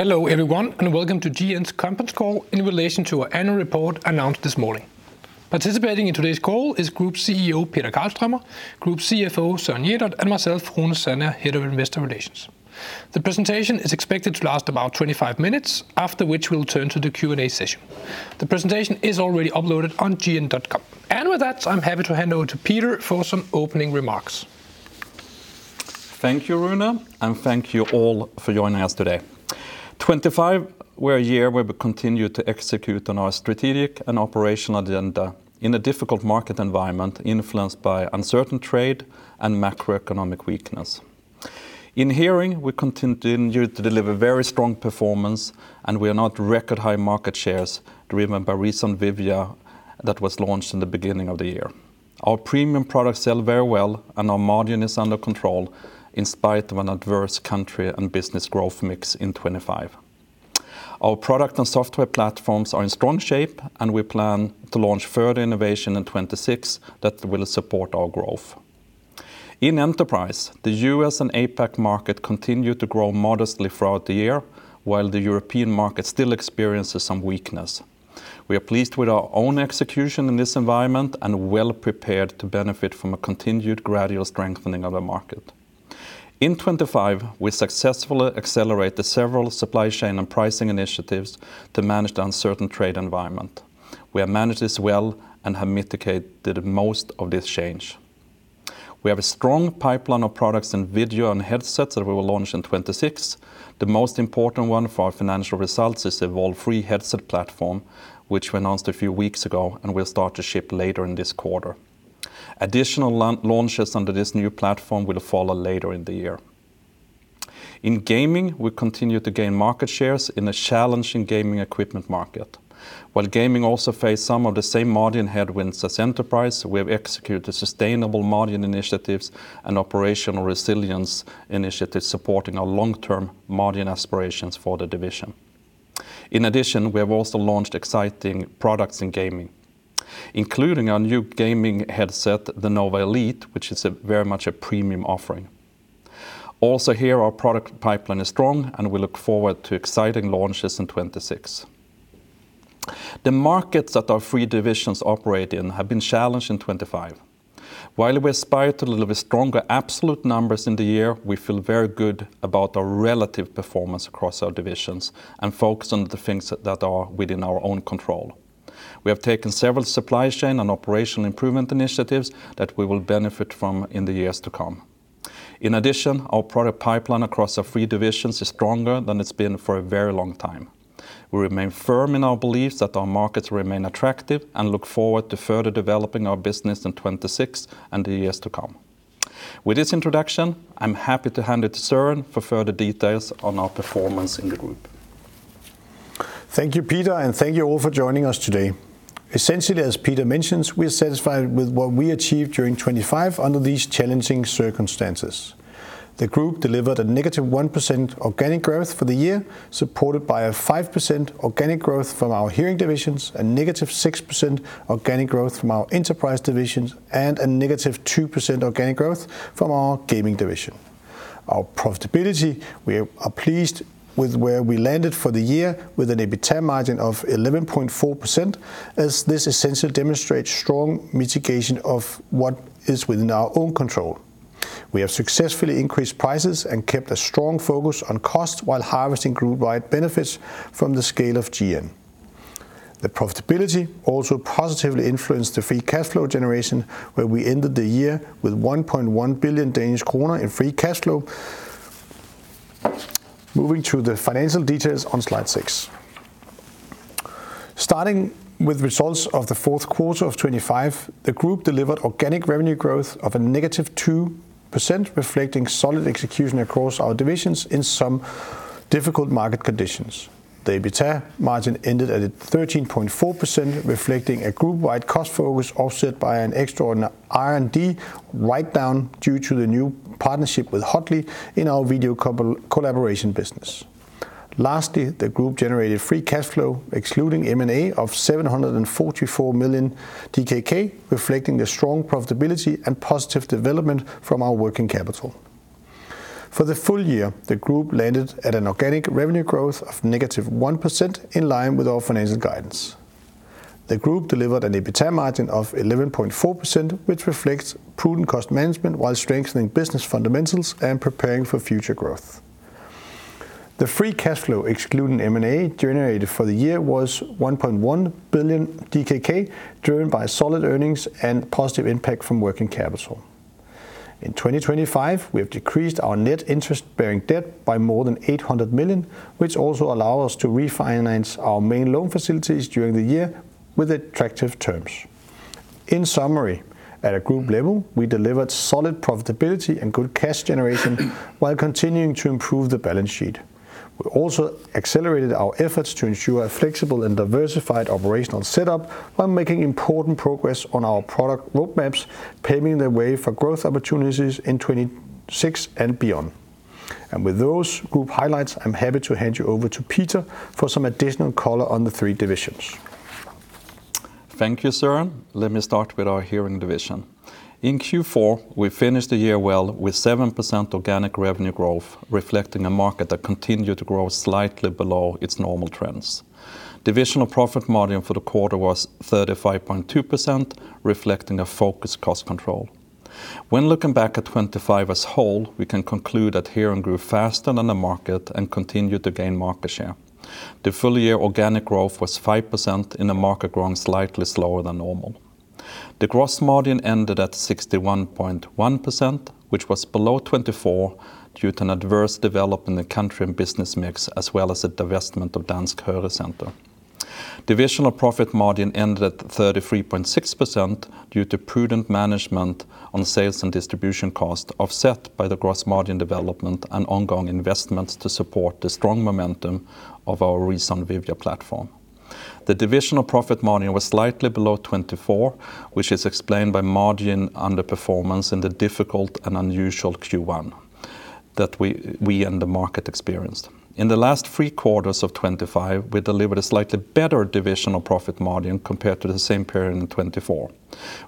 Hello everyone, and welcome to GN's conference call in relation to our annual report announced this morning. Participating in today's call is Group CEO, Peter Karlströmer, Group CFO, Søren Jelert, and myself, Rune Sandager, Head of Investor Relations. The presentation is expected to last about 25 minutes, after which we'll turn to the Q&A session. The presentation is already uploaded on gn.com. With that, I'm happy to hand over to Peter for some opening remarks. Thank you, Rune, and thank you all for joining us today. 2025 were a year where we continued to execute on our strategic and operational agenda in a difficult market environment, influenced by uncertain trade and macroeconomic weakness. In Hearing, we continued to deliver very strong performance, and we are now at record high market shares, driven by recent Vivya that was launched in the beginning of the year. Our premium products sell very well, and our margin is under control, in spite of an adverse country and business growth mix in 2025. Our product and software platforms are in strong shape, and we plan to launch further innovation in 2026 that will support our growth. In Enterprise, the US and APAC market continued to grow modestly throughout the year, while the European market still experiences some weakness. We are pleased with our own execution in this environment, and well prepared to benefit from a continued gradual strengthening of the market. In 2025, we successfully accelerated several supply chain and pricing initiatives to manage the uncertain trade environment. We have managed this well and have mitigated most of this change. We have a strong pipeline of products in video and headsets that we will launch in 2026. The most important one for our financial results is Evolve3 headset platform, which we announced a few weeks ago and will start to ship later in this quarter. Additional launches under this new platform will follow later in the year. In Gaming, we continue to gain market shares in a challenging gaming equipment market. While gaming also faces some of the same margin headwinds as Enterprise, we have executed sustainable margin initiatives and operational resilience initiatives, supporting our long-term margin aspirations for the division. In addition, we have also launched exciting products in gaming, including our new gaming headset, the Nova Elite, which is very much a premium offering. Also here, our product pipeline is strong, and we look forward to exciting launches in 2026. The markets that our three divisions operate in have been challenged in 2025. While we aspire to deliver stronger absolute numbers in the year, we feel very good about our relative performance across our divisions and focus on the things that are within our own control. We have taken several supply chain and operational improvement initiatives that we will benefit from in the years to come. In addition, our product pipeline across our three divisions is stronger than it's been for a very long time. We remain firm in our beliefs that our markets remain attractive and look forward to further developing our business in 2026 and the years to come. With this introduction, I'm happy to hand it to Søren for further details on our performance in the group. Thank you, Peter, and thank you all for joining us today. Essentially, as Peter mentions, we are satisfied with what we achieved during 2025 under these challenging circumstances. The group delivered a -1% organic growth for the year, supported by a 5% organic growth from our Hearing divisions, a -6% organic growth from our enterprise divisions, and a -2% organic growth from our gaming division. Our profitability, we are pleased with where we landed for the year with an EBITA margin of 11.4%, as this essentially demonstrates strong mitigation of what is within our own control. We have successfully increased prices and kept a strong focus on cost while harvesting group-wide benefits from the scale of GN. The profitability also positively influenced the free cash flow generation, where we ended the year with 1.1 billion Danish kroner in free cash flow. Moving to the financial details on slide 6. Starting with results of the Q4 of 2025, the group delivered organic revenue growth of -2%, reflecting solid execution across our divisions in some difficult market conditions. The EBITA margin ended at 13.4%, reflecting a group-wide cost focus, offset by an extraordinary R&D write-down due to the new partnership with Huddly in our video collaboration business. Lastly, the group generated free cash flow, excluding M&A, of 744 million DKK, reflecting the strong profitability and positive development from our working capital. For the full year, the group landed at an organic revenue growth of -1%, in line with our financial guidance. The group delivered an EBITA margin of 11.4%, which reflects prudent cost management while strengthening business fundamentals and preparing for future growth. The free cash flow, excluding M&A, generated for the year was 1.1 billion DKK, driven by solid earnings and positive impact from working capital. In 2025, we have decreased our net interest-bearing debt by more than 800 million DKK, which also allow us to refinance our main loan facilities during the year with attractive terms. In summary, at a group level, we delivered solid profitability and good cash generation while continuing to improve the balance sheet. We also accelerated our efforts to ensure a flexible and diversified operational setup while making important progress on our product roadmaps, paving the way for growth opportunities in 2026 and beyond. With those group highlights, I'm happy to hand you over to Peter for some additional color on the three divisions. ...Thank you, Søren. Let me start with our Hearing division. In Q4, we finished the year well with 7% organic revenue growth, reflecting a market that continued to grow slightly below its normal trends. Divisional profit margin for the quarter was 35.2%, reflecting a focused cost control. When looking back at 2025 as a whole, we can conclude that Hearing grew faster than the market and continued to gain market share. The full year organic growth was 5% in a market growing slightly slower than normal. The gross margin ended at 61.1%, which was below 2024, due to an adverse development in country and business mix, as well as a divestment of Dansk Hørecenter. Divisional profit margin ended at 33.6% due to prudent management on sales and distribution costs, offset by the gross margin development and ongoing investments to support the strong momentum of our recent Vivya platform. The divisional profit margin was slightly below 2024, which is explained by margin underperformance in the difficult and unusual Q1 that we and the market experienced. In the last three quarters of 2025, we delivered a slightly better divisional profit margin compared to the same period in 2024.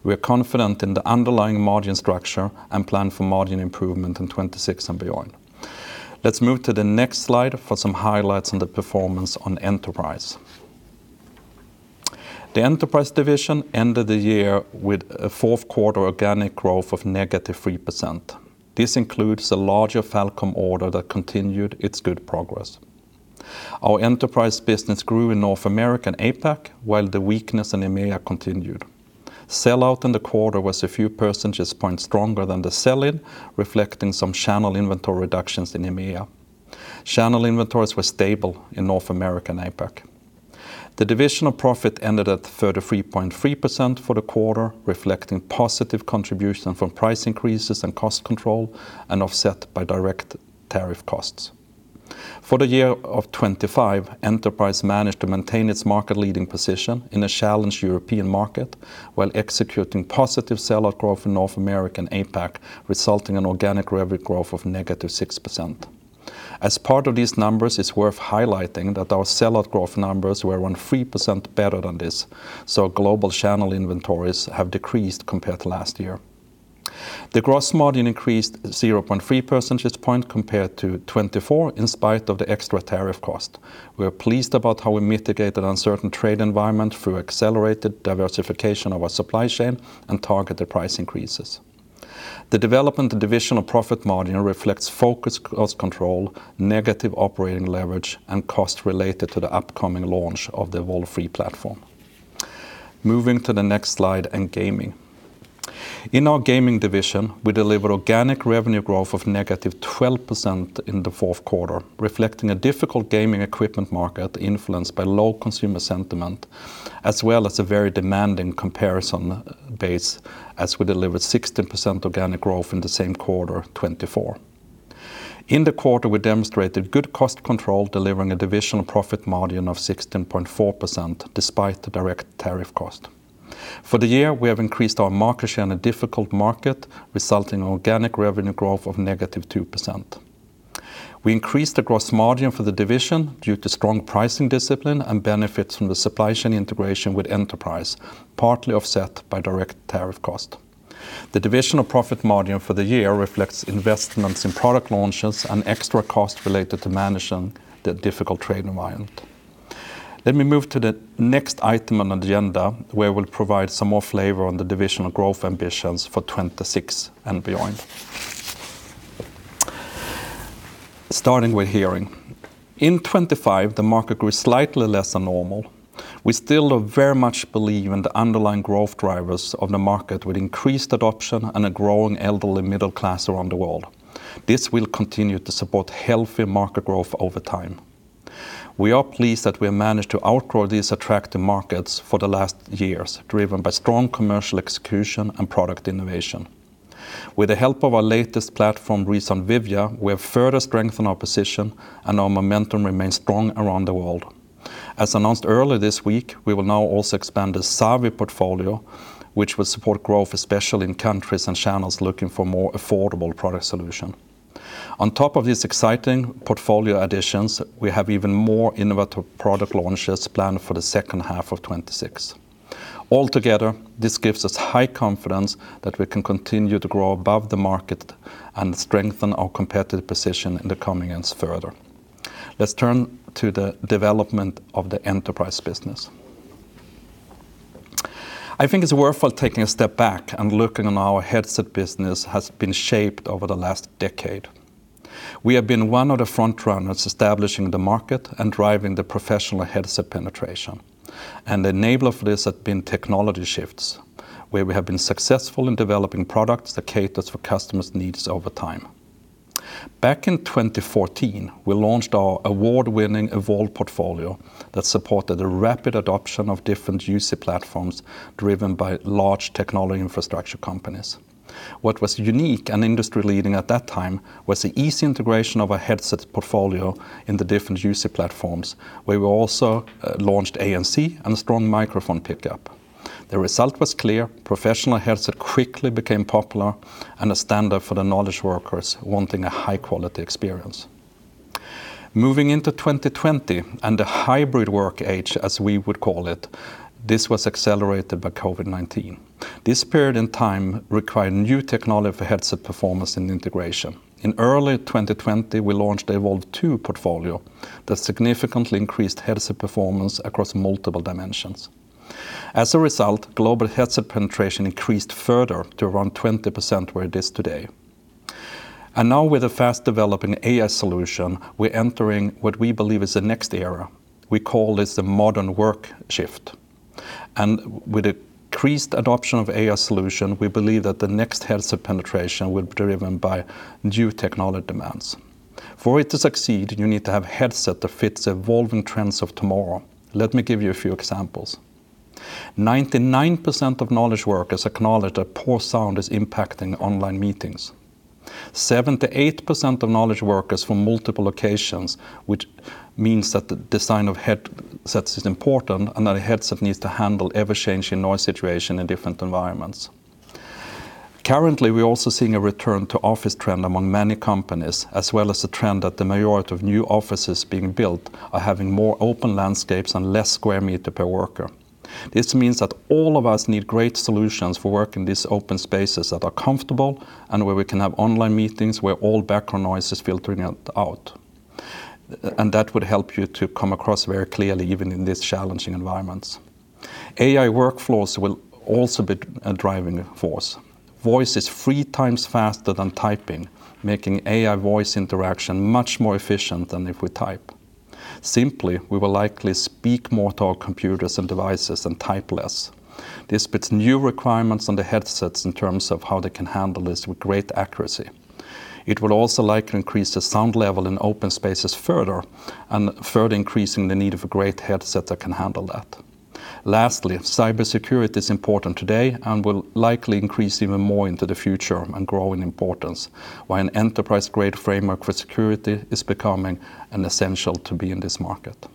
We are confident in the underlying margin structure and plan for margin improvement in 2026 and beyond. Let's move to the next slide for some highlights on the performance on Enterprise. The Enterprise division ended the year with a Q4 organic growth of -3%. This includes a larger FalCom order that continued its good progress. Our Enterprise business grew in North America and APAC, while the weakness in EMEA continued. Sell out in the quarter was a few percentage points stronger than the sell-in, reflecting some channel inventory reductions in EMEA. Channel inventories were stable in North America and APAC. The divisional profit ended at 33.3% for the quarter, reflecting positive contribution from price increases and cost control, and offset by direct tariff costs. For the year of 2025, Enterprise managed to maintain its market-leading position in a challenged European market, while executing positive sell out growth in North America and APAC, resulting in organic revenue growth of -6%. As part of these numbers, it's worth highlighting that our sell out growth numbers were around 3% better than this, so global channel inventories have decreased compared to last year. The gross margin increased 0.3 percentage point compared to 2024, in spite of the extra tariff cost. We are pleased about how we mitigated an uncertain trade environment through accelerated diversification of our supply chain and targeted price increases. The development of divisional profit margin reflects focused cost control, negative operating leverage, and cost related to the upcoming launch of the Evolve3 platform. Moving to the next slide and Gaming. In our Gaming division, we delivered organic revenue growth of -12% in the Q4, reflecting a difficult gaming equipment market influenced by low consumer sentiment, as well as a very demanding comparison base, as we delivered 16% organic growth in the same quarter 2024. In the quarter, we demonstrated good cost control, delivering a divisional profit margin of 16.4%, despite the direct tariff cost. For the year, we have increased our market share in a difficult market, resulting in organic revenue growth of negative 2%. We increased the gross margin for the division due to strong pricing discipline and benefits from the supply chain integration with Enterprise, partly offset by direct tariff cost. The divisional profit margin for the year reflects investments in product launches and extra costs related to managing the difficult trade environment. Let me move to the next item on the agenda, where we'll provide some more flavor on the divisional growth ambitions for 2026 and beyond. Starting with Hearing. In 2025, the market grew slightly less than normal. We still very much believe in the underlying growth drivers of the market, with increased adoption and a growing elderly middle class around the world. This will continue to support healthy market growth over time. We are pleased that we have managed to outgrow these attractive markets for the last years, driven by strong commercial execution and product innovation. With the help of our latest platform, ReSound Vivya, we have further strengthened our position, and our momentum remains strong around the world. As announced earlier this week, we will now also expand the Savi portfolio, which will support growth, especially in countries and channels looking for a more affordable product solution. On top of these exciting portfolio additions, we have even more innovative product launches planned for the second half of 2026. Altogether, this gives us high confidence that we can continue to grow above the market and strengthen our competitive position in the coming years further. Let's turn to the development of the Enterprise business. I think it's worth taking a step back and looking at how our headset business has been shaped over the last decade. We have been one of the front runners establishing the market and driving the professional headset penetration, and the enabler for this has been technology shifts, where we have been successful in developing products that caters for customers' needs over time. Back in 2014, we launched our award-winning Evolve portfolio that supported a rapid adoption of different UC platforms, driven by large technology infrastructure companies. What was unique and industry-leading at that time was the easy integration of our headset portfolio in the different UC platforms. We were also launched ANC and a strong microphone pickup. The result was clear: professional headset quickly became popular and a standard for the knowledge workers wanting a high-quality experience.... Moving into 2020 and the hybrid work age, as we would call it, this was accelerated by COVID-19. This period in time required new technology for headset performance and integration. In early 2020, we launched the Evolve2 portfolio that significantly increased headset performance across multiple dimensions. As a result, global headset penetration increased further to around 20%, where it is today. And now, with a fast-developing AI solution, we're entering what we believe is the next era. We call this the modern work shift. And with increased adoption of AI solution, we believe that the next headset penetration will be driven by new technology demands. For it to succeed, you need to have a headset that fits evolving trends of tomorrow. Let me give you a few examples. 99% of knowledge workers acknowledge that poor sound is impacting online meetings. 78% of knowledge workers from multiple locations, which means that the design of headsets is important, and that a headset needs to handle ever-changing noise situation in different environments. Currently, we're also seeing a return to office trend among many companies, as well as a trend that the majority of new offices being built are having more open landscapes and less square meter per worker. This means that all of us need great solutions for work in these open spaces that are comfortable, and where we can have online meetings where all background noise is filtering out. And that would help you to come across very clearly, even in these challenging environments. AI workflows will also be a driving force. Voice is three times faster than typing, making AI voice interaction much more efficient than if we type. Simply, we will likely speak more to our computers and devices and type less. This puts new requirements on the headsets in terms of how they can handle this with great accuracy. It will also likely increase the sound level in open spaces further, and further increasing the need of a great headset that can handle that. Lastly, cybersecurity is important today and will likely increase even more into the future and grow in importance, while an enterprise-grade framework for security is becoming an essential to be in this market.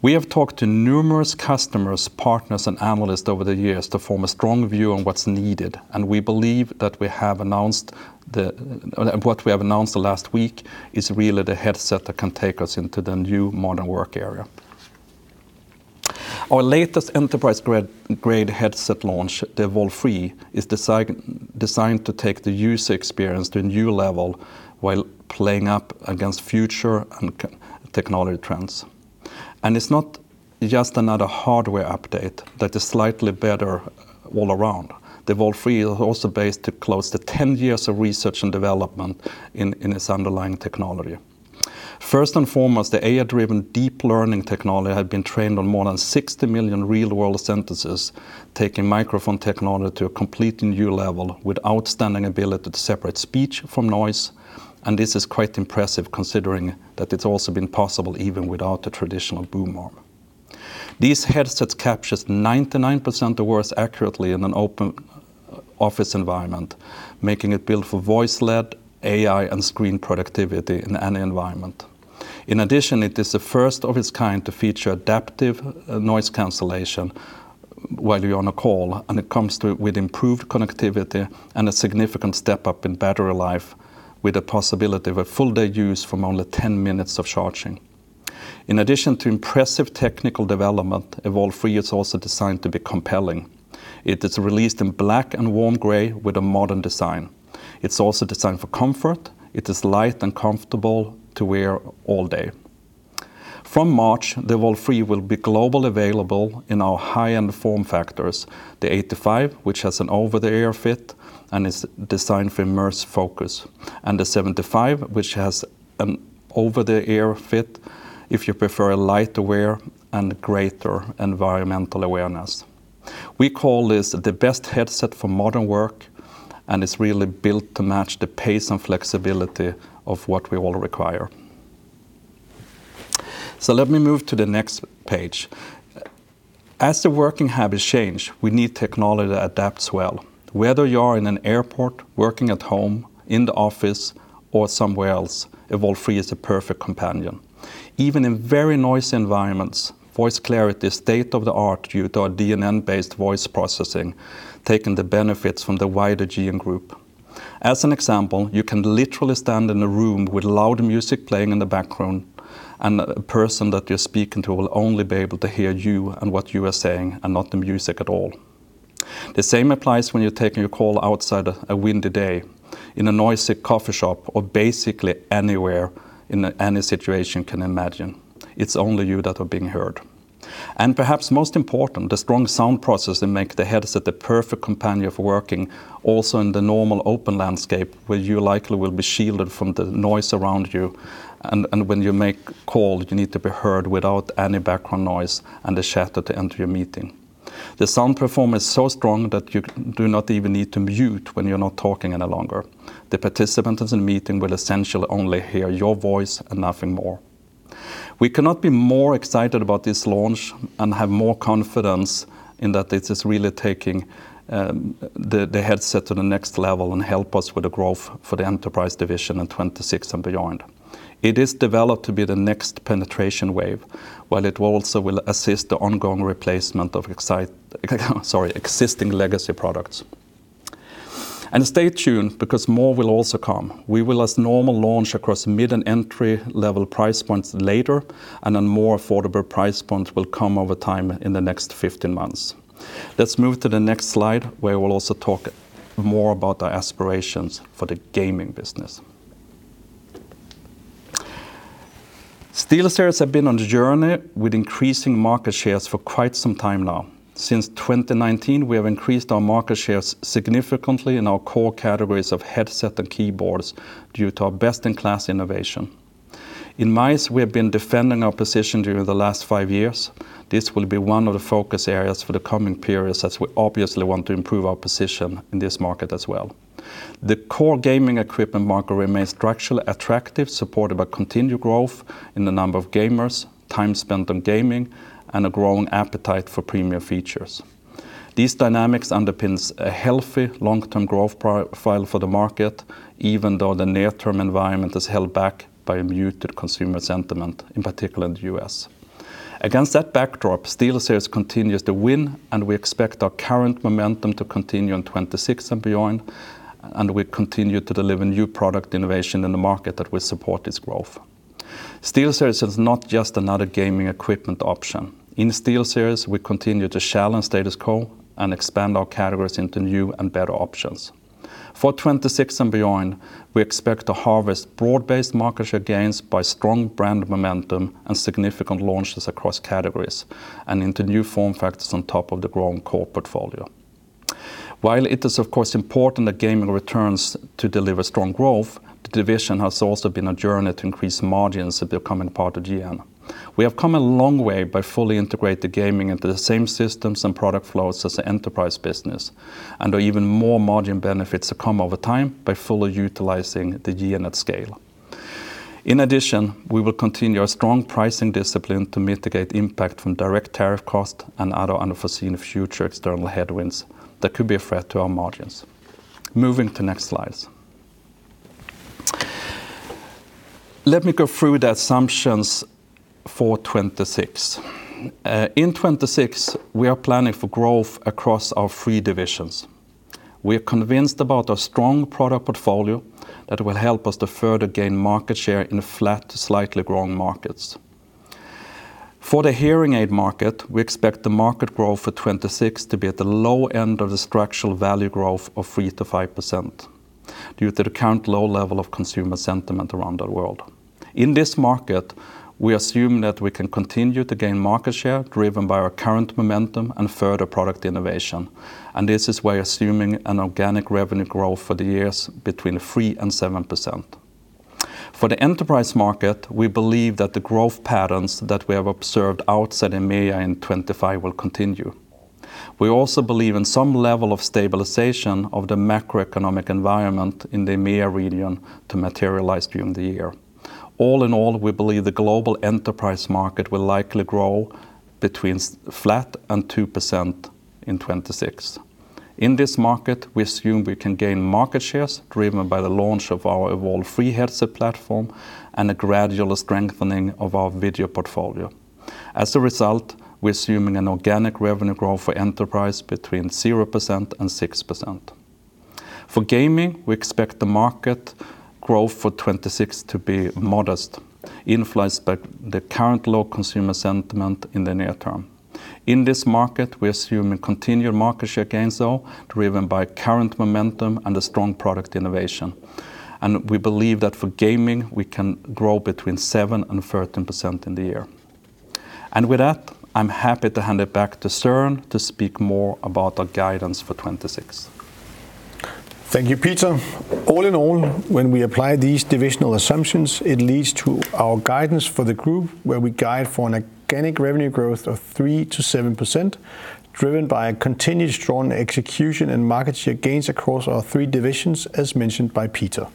We have talked to numerous customers, partners, and analysts over the years to form a strong view on what's needed, and we believe that we have announced the... What we have announced last week is really the headset that can take us into the new modern work era. Our latest enterprise-grade headset launch, the Evolve3, is designed to take the user experience to a new level while playing up against future and technology trends. It's not just another hardware update that is slightly better all around. The Evolve3 is also based on close to 10 years of research and development in its underlying technology. First and foremost, the AI-driven deep learning technology had been trained on more than 60 million real-world sentences, taking microphone technology to a completely new level with outstanding ability to separate speech from noise, and this is quite impressive, considering that it's also been possible even without the traditional boom arm. These headsets captures 99% of words accurately in an open office environment, making it built for voice-led AI and screen productivity in any environment. In addition, it is the first of its kind to feature adaptive noise cancellation while you're on a call, and it comes through with improved connectivity and a significant step up in battery life, with the possibility of a full day use from only ten minutes of charging. In addition to impressive technical development, Evolve3 is also designed to be compelling. It is released in black and warm gray with a modern design. It's also designed for comfort. It is light and comfortable to wear all day. From March, Evolve3 will be globally available in our high-end form factors: the 85, which has an over-the-ear fit and is designed for immersed focus, and the 75, which has an over-the-ear fit if you prefer a lighter wear and greater environmental awareness. We call this the best headset for modern work, and it's really built to match the pace and flexibility of what we all require. So let me move to the next page. As the working habits change, we need technology that adapts well. Whether you're in an airport, working at home, in the office, or somewhere else, Evolve3 is a perfect companion. Even in very noisy environments, voice clarity is state-of-the-art due to our DNN-based voice processing, taking the benefits from the wider GN Group. As an example, you can literally stand in a room with loud music playing in the background, and the person that you're speaking to will only be able to hear you and what you are saying and not the music at all. The same applies when you're taking a call outside on a windy day, in a noisy coffee shop, or basically anywhere in any situation you can imagine. It's only you that are being heard. And perhaps most important, the strong sound processing make the headset the perfect companion for working, also in the normal open landscape, where you likely will be shielded from the noise around you, and when you make call, you need to be heard without any background noise and the chatter to enter your meeting. The sound performance is so strong that you do not even need to mute when you're not talking any longer. The participants in the meeting will essentially only hear your voice and nothing more. We cannot be more excited about this launch and have more confidence in that it is really taking the headset to the next level and help us with the growth for the enterprise division in 2026 and beyond. It is developed to be the next penetration wave, while it also will assist the ongoing replacement of existing legacy products. Stay tuned because more will also come. We will, as normal, launch across mid and entry-level price points later, and then more affordable price points will come over time in the next 15 months. Let's move to the next slide, where we'll also talk more about our aspirations for the gaming business. SteelSeries have been on the journey with increasing market shares for quite some time now. Since 2019, we have increased our market shares significantly in our core categories of headset and keyboards due to our best-in-class innovation. In mice, we have been defending our position during the last five years. This will be one of the focus areas for the coming periods, as we obviously want to improve our position in this market as well. The core gaming equipment market remains structurally attractive, supported by continued growth in the number of gamers, time spent on gaming, and a growing appetite for premium features. These dynamics underpin a healthy long-term growth profile for the market, even though the near-term environment is held back by a muted consumer sentiment, in particular in the US. Against that backdrop, SteelSeries continues to win, and we expect our current momentum to continue in 2026 and beyond, and we continue to deliver new product innovation in the market that will support this growth. SteelSeries is not just another gaming equipment option. In SteelSeries, we continue to challenge status quo and expand our categories into new and better options. For 2026 and beyond, we expect to harvest broad-based market share gains by strong brand momentum and significant launches across categories, and into new form factors on top of the growing core portfolio. While it is, of course, important that gaming returns to deliver strong growth, the division has also been on a journey to increase margins as they become a part of GN. We have come a long way by fully integrating gaming into the same systems and product flows as the enterprise business, and there are even more margin benefits to come over time by fully utilizing the GN at scale. In addition, we will continue our strong pricing discipline to mitigate impact from direct tariff cost and other unforeseen future external headwinds that could be a threat to our margins. Moving to next slides. Let me go through the assumptions for 2026. In 2026, we are planning for growth across our three divisions. We are convinced about our strong product portfolio that will help us to further gain market share in flat to slightly growing markets. For the Hearing aid market, we expect the market growth for 2026 to be at the low end of the structural value growth of 3%-5% due to the current low level of consumer sentiment around the world. In this market, we assume that we can continue to gain market share, driven by our current momentum and further product innovation, and this is why assuming an organic revenue growth for the years between 3% and 7%. For the enterprise market, we believe that the growth patterns that we have observed outside EMEA in 2025 will continue. We also believe in some level of stabilization of the macroeconomic environment in the EMEA region to materialize during the year. All in all, we believe the global enterprise market will likely grow between flat and 2% in 2026. In this market, we assume we can gain market shares, driven by the launch of our Evolve3 headset platform and a gradual strengthening of our video portfolio. As a result, we're assuming an organic revenue growth for enterprise between 0% and 6%. For gaming, we expect the market growth for 2026 to be modest, influenced by the current low consumer sentiment in the near term. In this market, we assume continued market share gains, though, driven by current momentum and a strong product innovation. And we believe that for gaming, we can grow between 7% and 13% in the year. And with that, I'm happy to hand it back to Søren to speak more about our guidance for 2026. Thank you, Peter. All in all, when we apply these divisional assumptions, it leads to our guidance for the group, where we guide for an organic revenue growth of 3%-7%, driven by a continued strong execution and market share gains across our three divisions, as mentioned by Peter.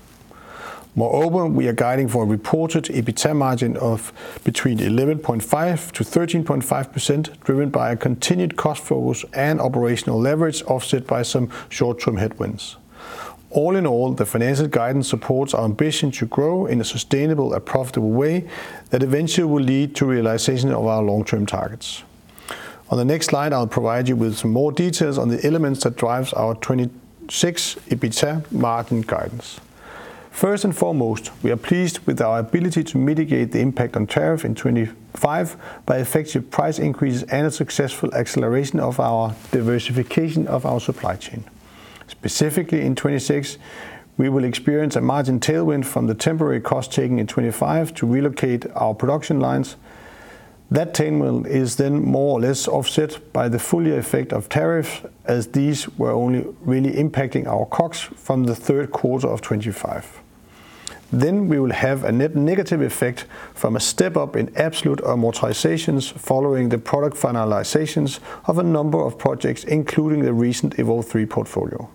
Moreover, we are guiding for a reported EBITA margin of between 11.5%-13.5%, driven by a continued cost focus and operational leverage, offset by some short-term headwinds. All in all, the financial guidance supports our ambition to grow in a sustainable and profitable way that eventually will lead to realization of our long-term targets. On the next slide, I'll provide you with some more details on the elements that drives our 2026 EBITA margin guidance. First and foremost, we are pleased with our ability to mitigate the impact on tariff in 2025 by effective price increases and a successful acceleration of our diversification of our supply chain. Specifically, in 2026, we will experience a margin tailwind from the temporary cost taking in 2025 to relocate our production lines. That tailwind is then more or less offset by the full year effect of tariffs, as these were only really impacting our costs from the Q3 of 2025. Then we will have a net negative effect from a step-up in absolute amortizations following the product finalizations of a number of projects, including the recent Evolve3 portfolio.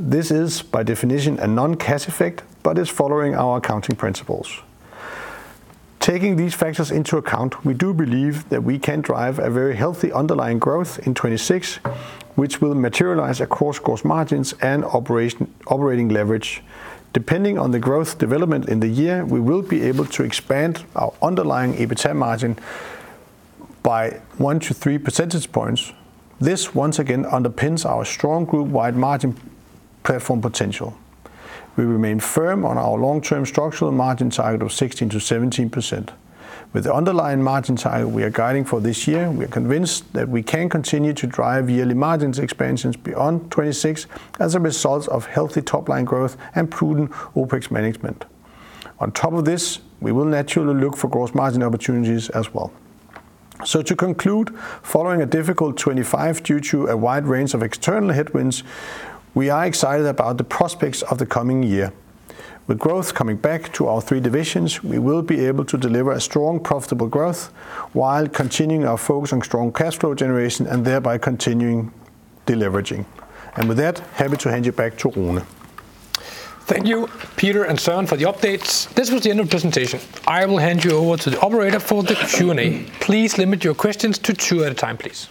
This is, by definition, a non-cash effect, but is following our accounting principles. Taking these factors into account, we do believe that we can drive a very healthy underlying growth in 2026, which will materialize across cost margins and operating leverage. Depending on the growth development in the year, we will be able to expand our underlying EBITA margin.... by 1-3 percentage points, this once again underpins our strong group-wide margin platform potential. We remain firm on our long-term structural margin target of 16%-17%. With the underlying margin target we are guiding for this year, we are convinced that we can continue to drive yearly margins expansions beyond 2026 as a result of healthy top line growth and prudent OpEx management. On top of this, we will naturally look for gross margin opportunities as well. So to conclude, following a difficult 2025 due to a wide range of external headwinds, we are excited about the prospects of the coming year. With growth coming back to our three divisions, we will be able to deliver a strong, profitable growth while continuing our focus on strong cash flow generation and thereby continuing deleveraging. And with that, happy to hand you back to Rune. Thank you, Peter and Søren, for the updates. This was the end of presentation. I will hand you over to the operator for the Q&A. Please limit your questions to two at a time, please.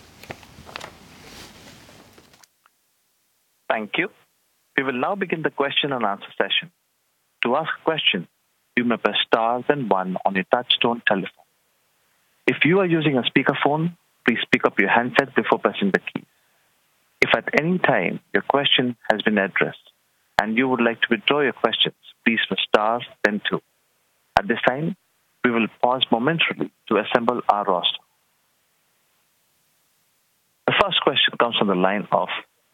Thank you. We will now begin the question and answer session. To ask a question, you may press star then one on your touchtone telephone. If you are using a speakerphone, please pick up your handset before pressing the key. If at any time your question has been addressed and you would like to withdraw your questions, please press star then two. At this time, we will pause momentarily to assemble our roster. The first question comes from the line of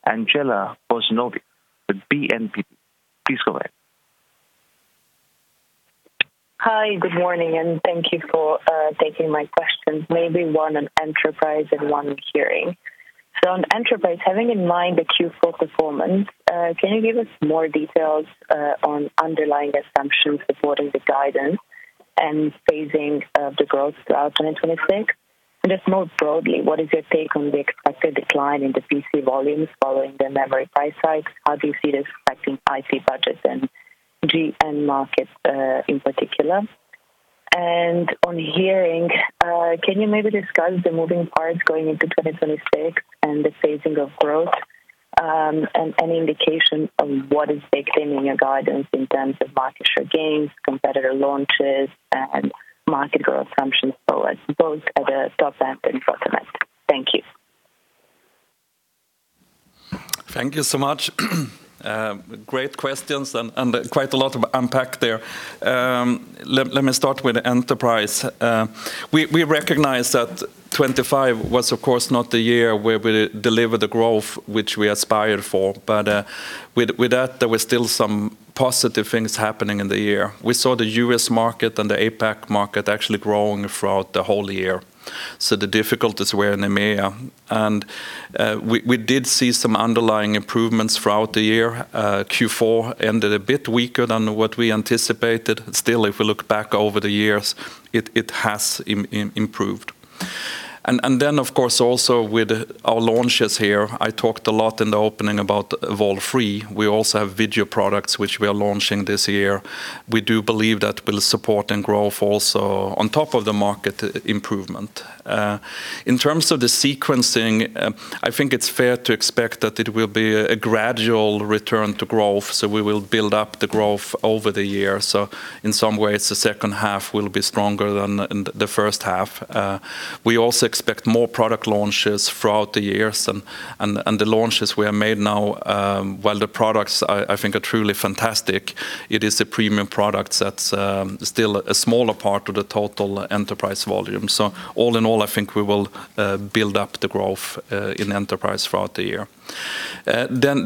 Andjela Bozinovic with BNP. Please go ahead. Hi, good morning, and thank you for taking my questions. Maybe one on Enterprise and one on Hearing. So on Enterprise, having in mind the Q4 performance, can you give us more details on underlying assumptions supporting the guidance and phasing of the growth throughout 2026? And just more broadly, what is your take on the expected decline in the PC volumes following the memory price hikes? How do you see this affecting IP budgets and GN markets, in particular? And on Hearing, can you maybe discuss the moving parts going into 2026 and the phasing of growth, and any indication of what is baked in, in your guidance in terms of market share gains, competitor launches, and market growth assumptions for both at the top end and front end? Thank you. Thank you so much. Great questions and quite a lot to unpack there. Let me start with Enterprise. We recognize that 25 was, of course, not the year where we delivered the growth which we aspired for, but with that, there were still some positive things happening in the year. We saw the US market and the APAC market actually growing throughout the whole year, so the difficulties were in EMEA. We did see some underlying improvements throughout the year. Q4 ended a bit weaker than what we anticipated. Still, if we look back over the years, it has improved. Then, of course, also with our launches here, I talked a lot in the opening about Evolve3. We also have video products which we are launching this year. We do believe that will support and growth also on top of the market improvement. In terms of the sequencing, I think it's fair to expect that it will be a gradual return to growth, so we will build up the growth over the year. So in some ways, the second half will be stronger than the first half. We also expect more product launches throughout the years, and the launches we have made now, while the products I think are truly fantastic, it is a premium product that's still a smaller part of the total enterprise volume. So all in all, I think we will build up the growth in Enterprise throughout the year.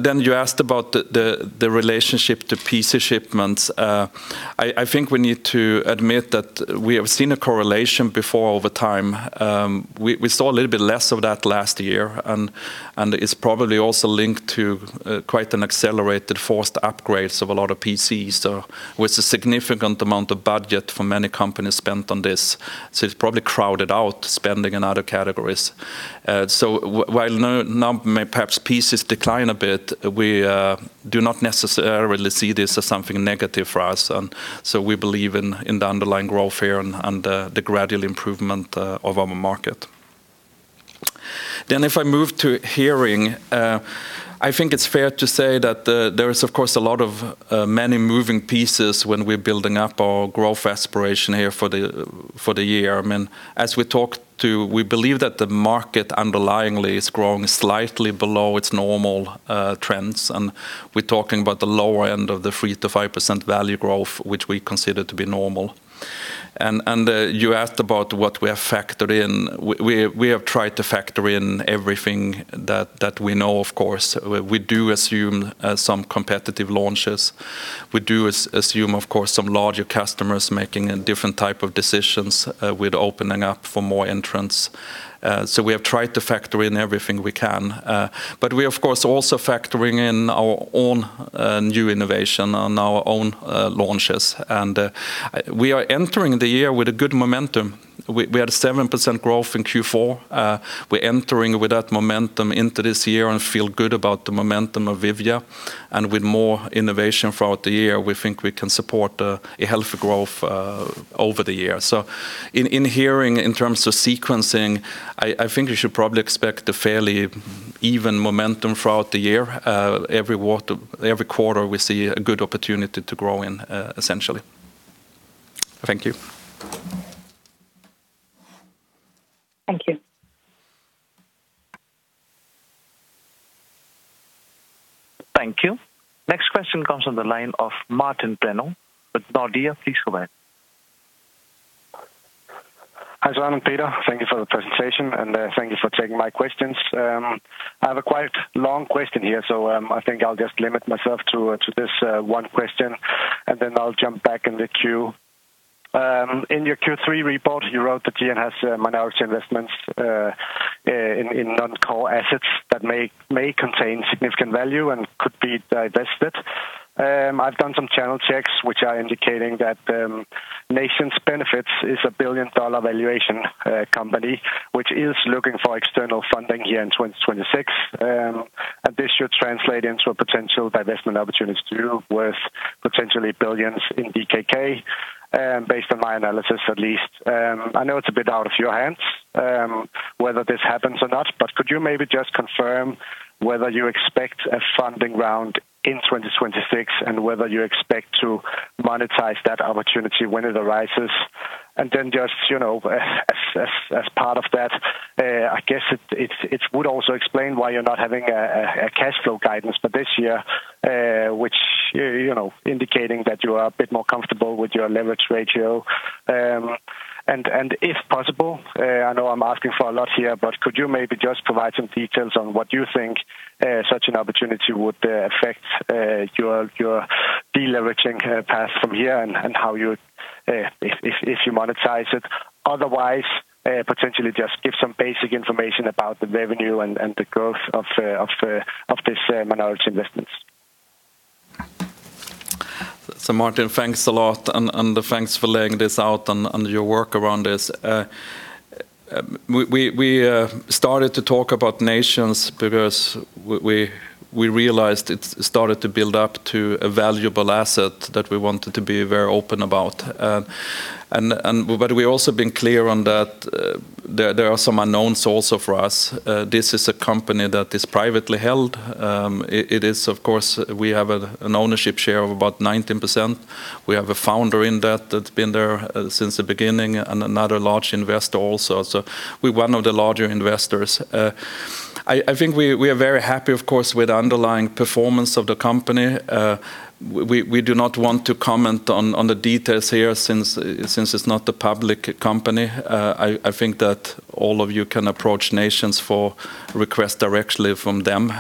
Then you asked about the relationship to PC shipments. I think we need to admit that we have seen a correlation before over time. We saw a little bit less of that last year, and it's probably also linked to quite an accelerated forced upgrades of a lot of PCs, so with a significant amount of budget for many companies spent on this, so it's probably crowded out spending in other categories. So now perhaps PCs decline a bit, we do not necessarily see this as something negative for us. And so we believe in the underlying growth here and the gradual improvement of our market. Then, if I move to Hearing, I think it's fair to say that there is, of course, a lot of many moving pieces when we're building up our growth aspiration here for the, for the year. I mean, as we talked to, we believe that the market underlyingly is growing slightly below its normal trends, and we're talking about the lower end of the 3%-5% value growth, which we consider to be normal. You asked about what we have factored in. We have tried to factor in everything that we know, of course. We do assume some competitive launches. We do assume, of course, some larger customers making a different type of decisions with opening up for more entrants. So we have tried to factor in everything we can, but we, of course, also factoring in our own new innovation on our own launches. And we are entering the year with a good momentum. We had a 7% growth in Q4. We're entering with that momentum into this year and feel good about the momentum of Vivya. And with more innovation throughout the year, we think we can support a healthy growth over the year. So in Hearing, in terms of sequencing, I think we should probably expect a fairly even momentum throughout the year. Every quarter, we see a good opportunity to grow in, essentially.... Thank you. Thank you. Thank you. Next question comes on the line of Martin Brenøe with Nordea. Please go ahead. Hi, John and Peter. Thank you for the presentation, and thank you for taking my questions. I have a quite long question here, so I think I'll just limit myself to this one question, and then I'll jump back in the queue. In your Q3 report, you wrote that GN has minority investments in non-core assets that may contain significant value and could be divested. I've done some channel checks, which are indicating that valuations Benefits is a billion-dollar valuation company, which is looking for external funding here in 2026. And this should translate into a potential divestment opportunity deal worth potentially billions in DKK, based on my analysis at least. I know it's a bit out of your hands whether this happens or not, but could you maybe just confirm whether you expect a funding round in 2026, and whether you expect to monetize that opportunity when it arises? And then just, you know, as part of that, I guess it would also explain why you're not having a cash flow guidance for this year, which, you know, indicating that you are a bit more comfortable with your leverage ratio. And if possible, I know I'm asking for a lot here, but could you maybe just provide some details on what you think such an opportunity would affect your deleveraging path from here and how you would if you monetize it? Otherwise, potentially just give some basic information about the revenue and the growth of this minority investments. So, Martin, thanks a lot, and thanks for laying this out and your work around this. We started to talk about valuations because we realized it started to build up to a valuable asset that we wanted to be very open about. But we've also been clear on that. There are some unknowns also for us. This is a company that is privately held. It is, of course, we have an ownership share of about 19%. We have a founder in that that's been there since the beginning, and another large investor also. So we're one of the larger investors. I think we are very happy, of course, with the underlying performance of the company. We do not want to comment on the details here, since it's not a public company. I think that all of you can approach valuations for requests directly from them.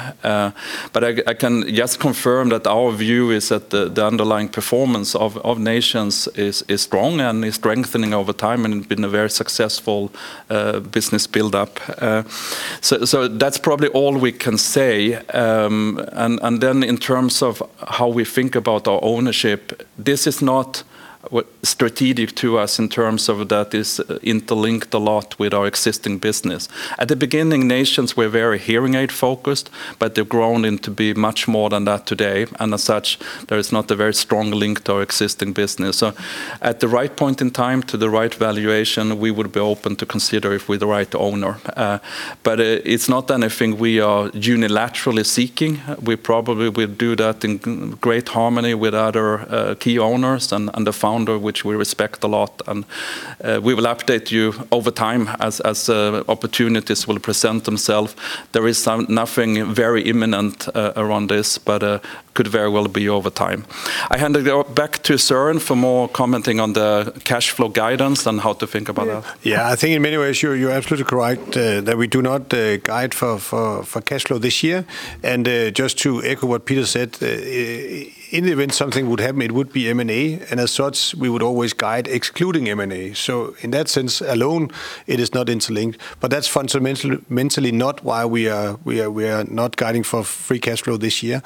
But I can just confirm that our view is that the underlying performance of valuations is strong and is strengthening over time, and been a very successful business build-up. So that's probably all we can say. And then in terms of how we think about our ownership, this is not strategic to us in terms of that is interlinked a lot with our existing business. At the beginning, valuations were very Hearing aid-focused, but they've grown in to be much more than that today, and as such, there is not a very strong link to our existing business. So at the right point in time, to the right valuation, we would be open to consider if we're the right owner. But it's not anything we are unilaterally seeking. We probably will do that in great harmony with other key owners and the founder, which we respect a lot. And we will update you over time as opportunities will present themselves. There is nothing very imminent around this, but could very well be over time. I hand it over back to Søren for more commenting on the cash flow guidance and how to think about that. Yeah, I think in many ways, you're absolutely correct that we do not guide for cash flow this year. Just to echo what Peter said, in the event something would happen, it would be M&A, and as such, we would always guide excluding M&A. So in that sense alone, it is not interlinked. But that's fundamentally, mentally not why we are not guiding for free cash flow this year.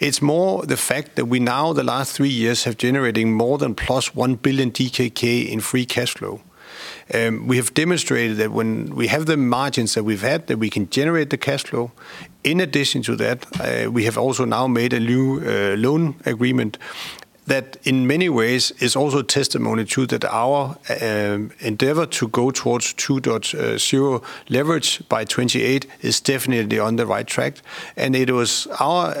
It's more the fact that we now, the last three years, have generating more than plus 1 billion DKK in free cash flow. We have demonstrated that when we have the margins that we've had, that we can generate the cash flow. In addition to that, we have also now made a new loan agreement that in many ways is also testimony to that our endeavor to go towards 2.0 leverage by 2028 is definitely on the right track. And it was our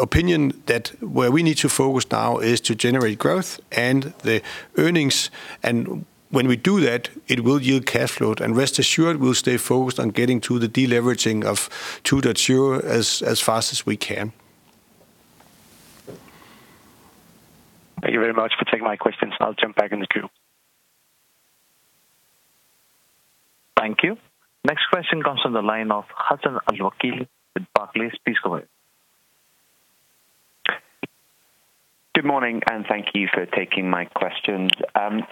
opinion that where we need to focus now is to generate growth and the earnings, and when we do that, it will yield cash flow. And rest assured, we'll stay focused on getting to the deleveraging of 2.0 as fast as we can. Thank you very much for taking my questions. I'll jump back in the queue. Thank you. Next question comes from the line of Hassan Al-Wakeel with Barclays. Please go ahead. Good morning, and thank you for taking my questions.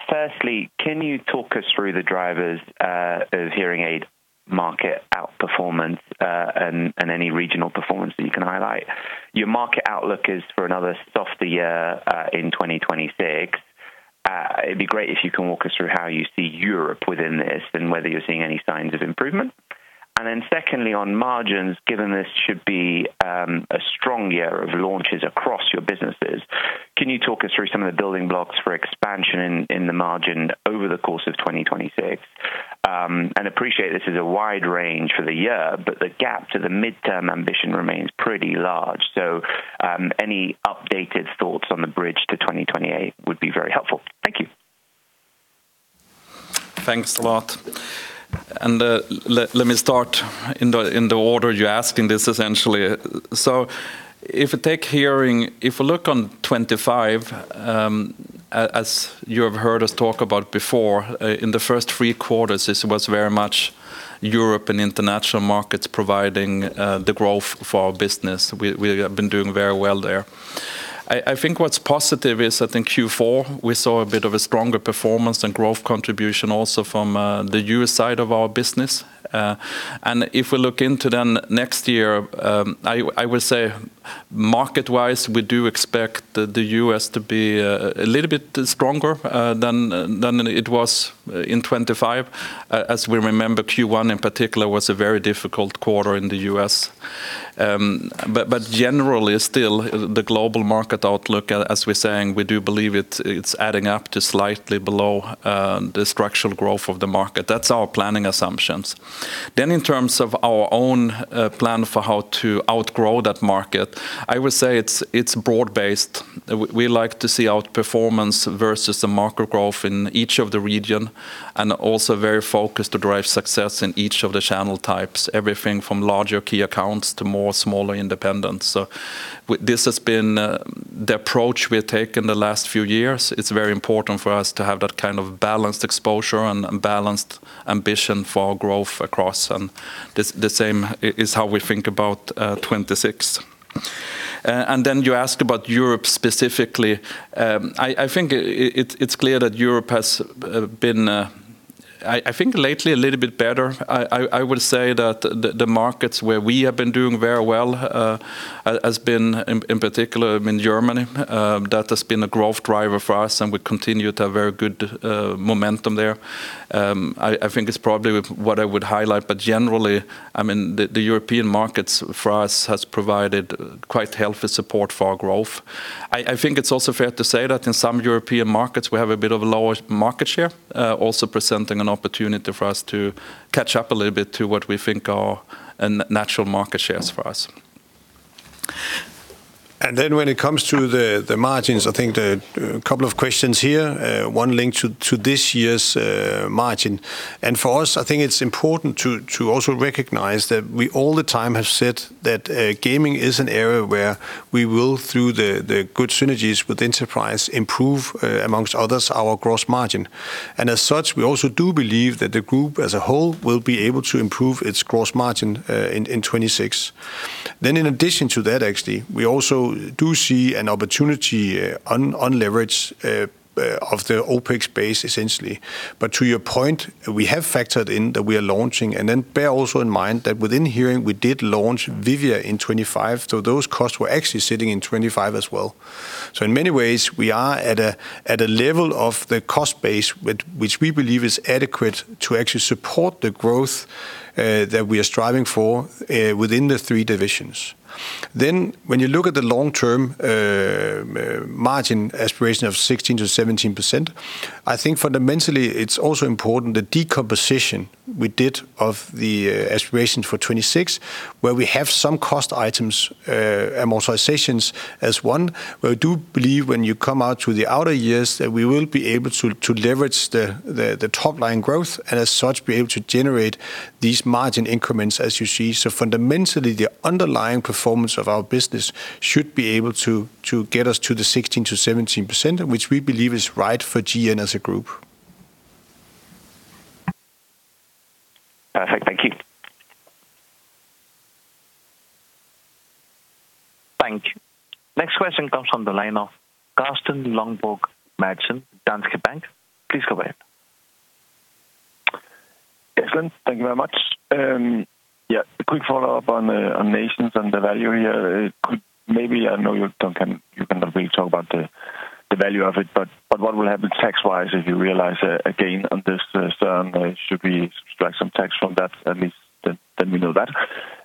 Firstly, can you talk us through the drivers of Hearing aid market outperformance, and any regional performance that you can highlight? Your market outlook is for another softer year in 2026. It'd be great if you can walk us through how you see Europe within this and whether you're seeing any signs of improvement. And then secondly, on margins, given this should be a strong year of launches across your businesses, can you talk us through some of the building blocks for expansion in the margin over the course of 2026? I appreciate this is a wide range for the year, but the gap to the mid-term ambition remains pretty large. So, any updated thoughts on the bridge to 2028 would be very helpful. Thank you. Thanks a lot. Let me start in the order you're asking this, essentially. So if I take Hearing, if we look on 2025, as you have heard us talk about before, in the first three quarters, this was very much Europe and international markets providing the growth for our business. We have been doing very well there. I think what's positive is, I think Q4, we saw a bit of a stronger performance and growth contribution also from the US side of our business. And if we look into then next year, I would say market-wise, we do expect the US to be a little bit stronger than it was in 2025. As we remember, Q1, in particular, was a very difficult quarter in the US. But generally, still, the global market outlook, as we're saying, we do believe it's adding up to slightly below the structural growth of the market. That's our planning assumptions. Then in terms of our own plan for how to outgrow that market, I would say it's broad-based. We like to see outperformance versus the market growth in each of the region, and also very focused to drive success in each of the channel types, everything from larger key accounts to more smaller independents. So this has been the approach we have taken the last few years. It's very important for us to have that kind of balanced exposure and balanced ambition for our growth across, and this the same is how we think about 2026. And then you ask about Europe specifically. I think it is clear that Europe has been a little bit better. I would say that the markets where we have been doing very well has been in particular in Germany. That has been a growth driver for us, and we continue to have very good momentum there. I think it is probably what I would highlight, but generally, I mean, the European markets for us has provided quite healthy support for our growth. I think it is also fair to say that in some European markets, we have a bit of a lower market share, also presenting an opportunity for us to catch up a little bit to what we think are natural market shares for us. Then when it comes to the margins, I think a couple of questions here, one linked to this year's margin. For us, I think it's important to also recognize that we all the time have said that gaming is an area where we will, through the good synergies with enterprise, improve, amongst others, our gross margin. As such, we also do believe that the group as a whole will be able to improve its gross margin in 2026. Then in addition to that, actually, we also do see an opportunity on leverage of the OpEx base, essentially. But to your point, we have factored in that we are launching, and then bear also in mind that within Hearing, we did launch Vivia in 2025, so those costs were actually sitting in 2025 as well. So in many ways, we are at a level of the cost base which we believe is adequate to actually support the growth that we are striving for within the three divisions. Then, when you look at the long-term margin aspiration of 16%-17%, I think fundamentally, it's also important the decomposition we did of the aspirations for 2026, where we have some cost items, amortizations as one. We do believe when you come out to the outer years, that we will be able to leverage the top-line growth, and as such, be able to generate these margin increments as you see. So fundamentally, the underlying performance of our business should be able to get us to the 16%-17%, which we believe is right for GN as a group. Perfect. Thank you. Thank you. Next question comes from the line of Carsten Lønborg Madsen, Danske Bank. Please go ahead. Excellent. Thank you very much. Yeah, a quick follow-up on valuations and the value here. Could maybe, I know you can't really talk about the value of it, but what will happen tax-wise, if you realize a gain on this then, should we strike some tax from that, at least then we know that.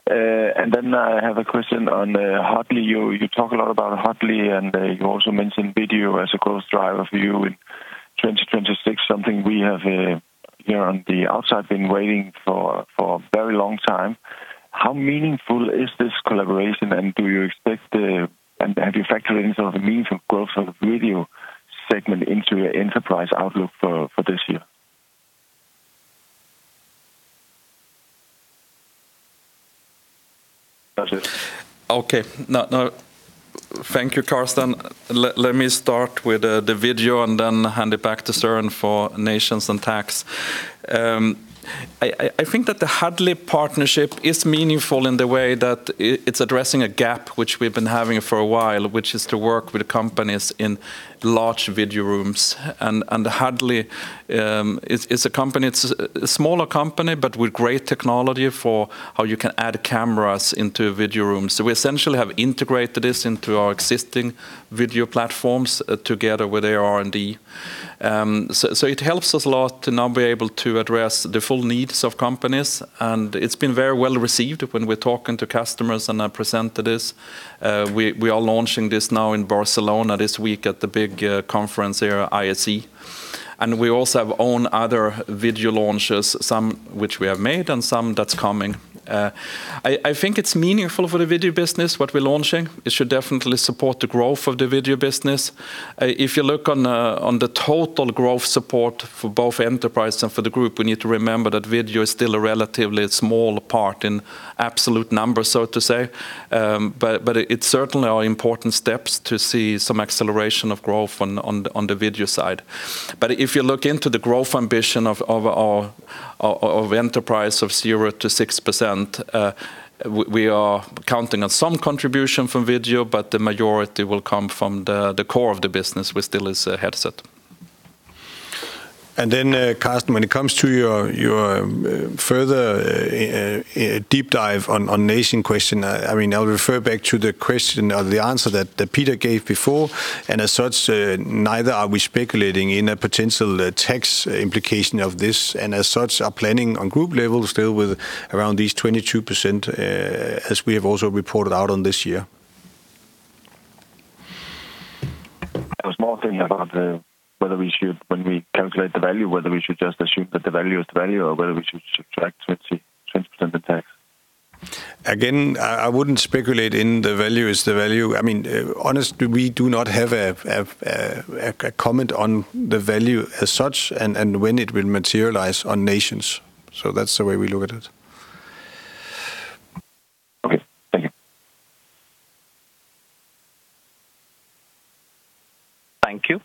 And then I have a question on Huddly. You talk a lot about Huddly, and you also mentioned video as a growth driver for you in 2026, something we have here on the outside been waiting for for a very long time. How meaningful is this collaboration, and do you expect... And have you factored in some of the means of growth of the video segment into your enterprise outlook for this year? That's it. Okay. No, no. Thank you, Carsten. Let me start with the video and then hand it back to Søren for valuations Benefits and tax. I think that the Huddly partnership is meaningful in the way that it's addressing a gap which we've been having for a while, which is to work with companies in large video rooms. And Huddly is a company, it's a smaller company, but with great technology for how you can add cameras into video rooms. So we essentially have integrated this into our existing video platforms, together with their R&D. So it helps us a lot to now be able to address the full needs of companies, and it's been very well received when we're talking to customers, and I presented this. We are launching this now in Barcelona this week at the big conference there, ISE. And we also have our own other video launches, some which we have made and some that's coming. I think it's meaningful for the video business, what we're launching. It should definitely support the growth of the video business. If you look on the total growth support for both enterprise and for the group, we need to remember that video is still a relatively small part in absolute numbers, so to say. But it's certainly are important steps to see some acceleration of growth on the video side. But if you look into the growth ambition of our enterprise of 0%-6%, we are counting on some contribution from video, but the majority will come from the core of the business, which still is a headset. Carsten, when it comes to your further deep dive on valuations question, I mean, I'll refer back to the question or the answer that Peter gave before, and as such, neither are we speculating in a potential tax implication of this, and as such, are planning on group level still with around these 22%, as we have also reported out on this year. A small thing about whether we should, when we calculate the value, whether we should just assume that the value is the value or whether we should subtract 20% of tax? Again, I wouldn't speculate in the value is the value. I mean, honestly, we do not have a comment on the value as such and when it will materialize on Nations. So that's the way we look at it. Okay. Thank you. Thank you.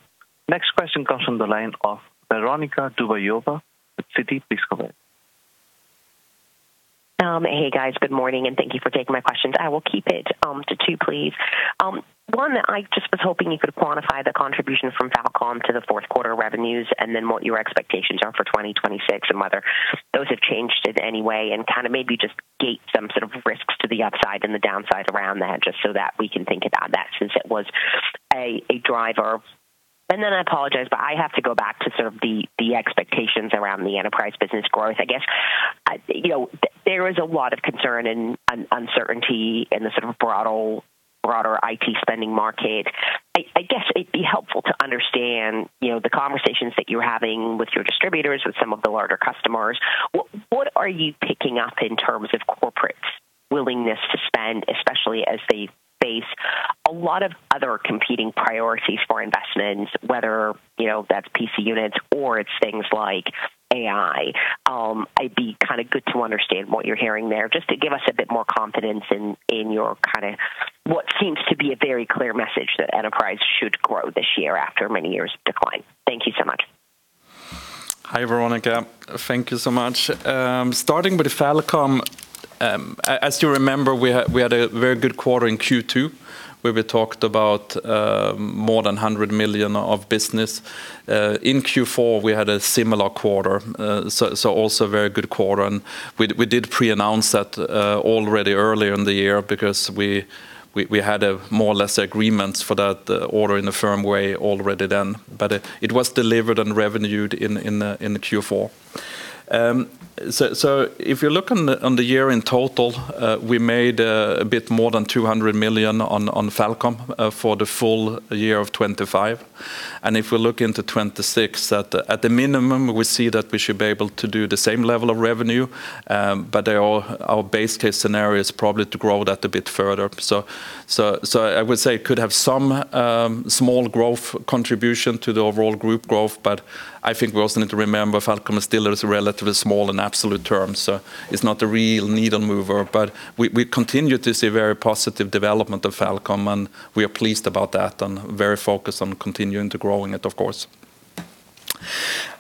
Next question comes from the line of Veronika Dubajova with Citi. Please go ahead. Hey, guys. Good morning, and thank you for taking my questions. I will keep it to two, please. One, I just was hoping you could quantify the contribution from FalCom to the Q4 revenues, and then what your expectations are for 2026, and whether those have changed in any way, and kind of maybe just gauge some sort of risks to the upside and the downside around that, just so that we can think about that since it was a driver. And then I apologize, but I have to go back to sort of the expectations around the enterprise business growth. I guess, you know, there is a lot of concern and uncertainty in the sort of broader IT spending market. I guess it'd be helpful to understand, you know, the conversations that you're having with your distributors, with some of the larger customers. What are you picking up in terms of corporates' willingness to spend, especially as they face a lot of other competing priorities for investments, whether, you know, that's PC units or it's things like AI? It'd be kind of good to understand what you're Hearing there, just to give us a bit more confidence in your kinda what seems to be a very clear message that enterprise should grow this year after many years of decline. Thank you so much. Hi, Veronika. Thank you so much. Starting with FalCom, as you remember, we had a very good quarter in Q2, where we talked about more than 100 million of business. In Q4, we had a similar quarter, so also very good quarter, and we did pre-announce that already earlier in the year because we had a more or less agreements for that order in a firm way already then, but it was delivered and revenued in the Q4. So if you look on the year in total, we made a bit more than 200 million on FalCom for the full year of 2025. And if we look into 2026, at the minimum, we see that we should be able to do the same level of revenue, but our base case scenario is probably to grow that a bit further. So I would say it could have some small growth contribution to the overall group growth, but I think we also need to remember, FalCom still is relatively small in absolute terms, so it's not a real needle mover. But we continue to see very positive development of FalCom, and we are pleased about that and very focused on continuing to growing it, of course.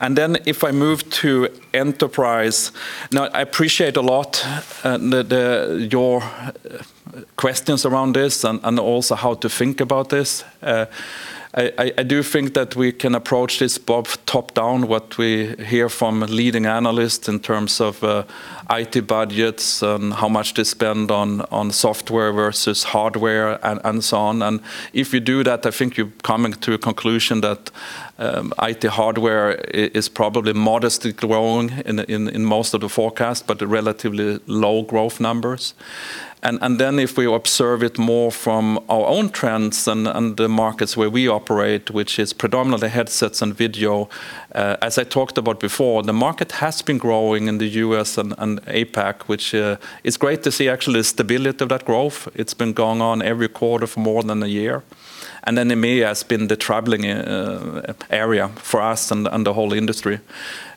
And then if I move to enterprise, now, I appreciate a lot, your questions around this and also how to think about this. I do think that we can approach this both top-down, what we hear from leading analysts in terms of IT budgets and how much they spend on software versus hardware and so on. And if you do that, I think you're coming to a conclusion that IT hardware is probably modestly growing in most of the forecasts, but the relatively low growth numbers. And then if we observe it more from our own trends and the markets where we operate, which is predominantly headsets and video, as I talked about before, the market has been growing in the U.S. and APAC, which it's great to see actually stability of that growth. It's been going on every quarter for more than a year. And then EMEA has been the troubling area for us and the whole industry.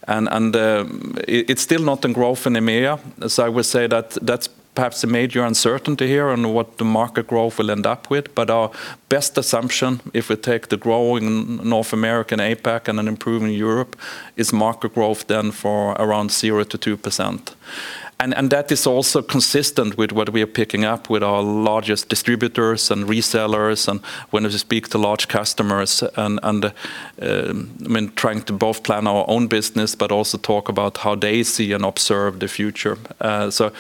It is still not in growth in EMEA, so I would say that that's perhaps a major uncertainty here on what the market growth will end up with. But our best assumption, if we take the growth in North America, APAC, and an improvement in Europe, is market growth then for around 0%-2%. That is also consistent with what we are picking up with our largest distributors and resellers, and when we speak to large customers and I mean, trying to both plan our own business, but also talk about how they see and observe the future. So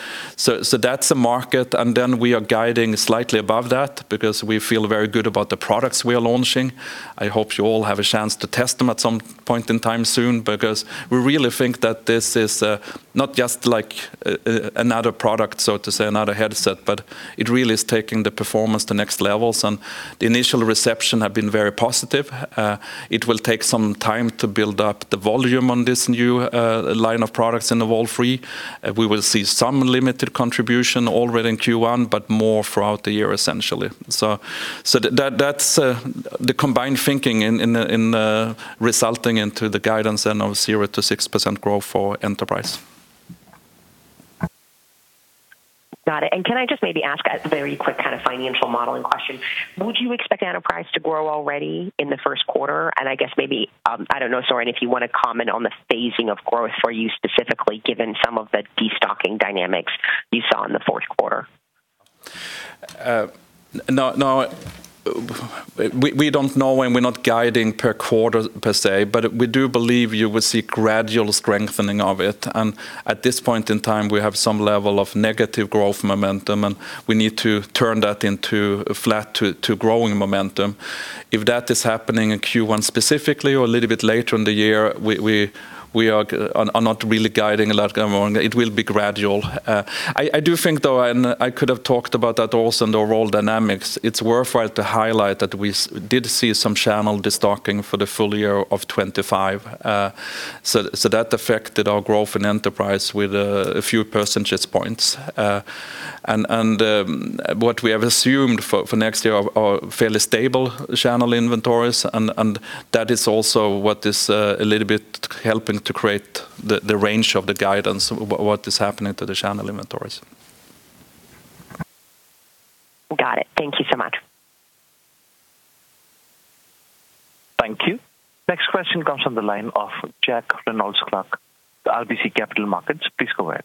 that's a market, and then we are guiding slightly above that because we feel very good about the products we are launching. I hope you all have a chance to test them at some point in time soon, because we really think that this is, not just like, another product, so to say, another headset, but it really is taking the performance to next levels, and the initial reception have been very positive. It will take some time to build up the volume on this new line of products in the Evolve3. We will see some limited contribution already in Q1, but more throughout the year, essentially. So, that's the combined thinking in the resulting into the guidance then of 0%-6% growth for enterprise. Got it. And can I just maybe ask a very quick kind of financial modeling question? Would you expect enterprise to grow already in the Q1? And I guess maybe, I don't know, Søren, if you wanna comment on the phasing of growth for you specifically, given some of the destocking dynamics you saw in the Q4? No, no. We don't know, and we're not guiding per quarter per se, but we do believe you will see gradual strengthening of it. And at this point in time, we have some level of negative growth momentum, and we need to turn that into a flat to growing momentum. If that is happening in Q1 specifically or a little bit later in the year, we are not really guiding a lot among. It will be gradual. I do think, though, and I could have talked about that also in the overall dynamics. It's worthwhile to highlight that we did see some channel destocking for the full year of 2025. So that affected our growth in enterprise with a few percentage points. What we have assumed for next year are fairly stable channel inventories, and that is also what is a little bit helping to create the range of the guidance, what is happening to the channel inventories. Got it. Thank you so much. Thank you. Next question comes from the line of Jack Reynolds-Clark, RBC Capital Markets. Please go ahead.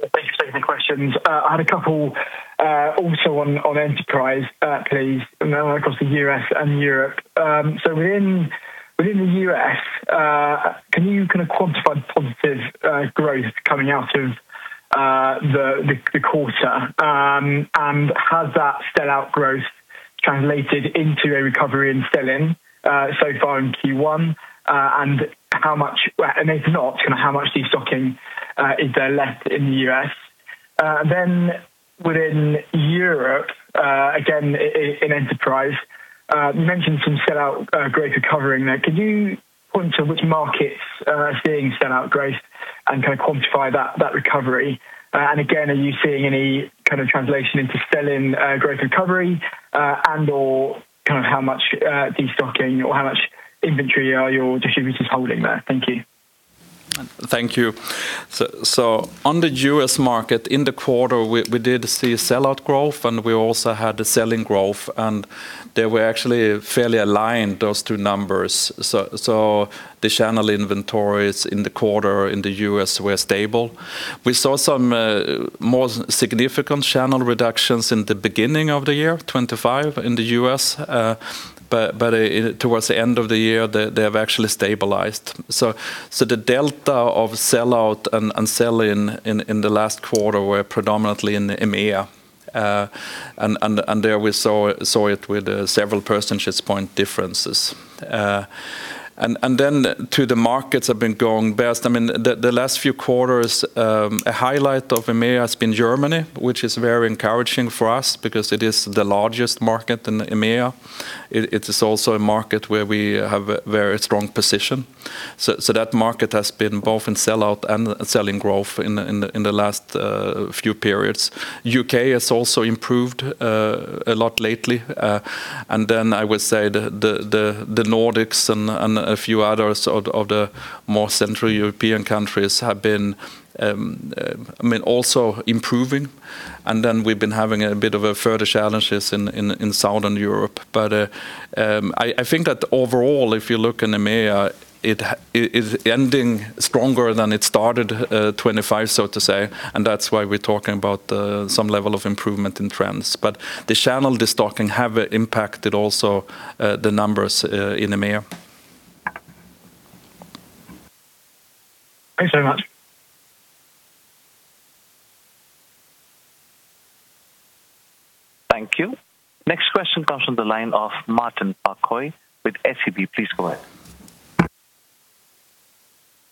Thank you so much for the questions. I had a couple also on enterprise please across the US and Europe. So within the US, can you kinda quantify the positive growth coming out of the quarter? And has that sell-out growth translated into a recovery in sell-in so far in Q1? And how much—and if not, kinda how much destocking is there left in the US? Then within Europe, again, in enterprise, you mentioned some sell-out great recovery there. Can you point to which markets are seeing sell-out growth and kinda quantify that recovery? And again, are you seeing any kind of translation into sell-in growth recovery, and/or kind of how much destocking or how much inventory are your distributors holding there? Thank you. Thank you. So, on the U.S. market, in the quarter, we did see a sell-out growth, and we also had a sell-in growth, and they were actually fairly aligned, those two numbers. So, the channel inventories in the quarter in the U.S. were stable. We saw some more significant channel reductions in the beginning of the year, 25, in the U.S., but towards the end of the year, they have actually stabilized. So, the delta of sell-out and sell-in, in the last quarter were predominantly in the EMEA, and there we saw it with several percentage point differences. And then to the markets have been going best. I mean, the last few quarters, a highlight of EMEA has been Germany, which is very encouraging for us because it is the largest market in the EMEA. It is also a market where we have a very strong position. So that market has been both in sell-out and sell-in growth in the last few periods. UK has also improved a lot lately. And then I would say the Nordics and a few others of the more Central European countries have been, I mean, also improving. And then we've been having a bit of a further challenges in Southern Europe. But, I think that overall, if you look in the EMEA, it is ending stronger than it started, 25, so to say, and that's why we're talking about some level of improvement in trends. But the channel destocking have impacted also the numbers in EMEA. Thanks so much. Thank you. Next question comes from the line of Martin Parkhøi with SEB. Please go ahead.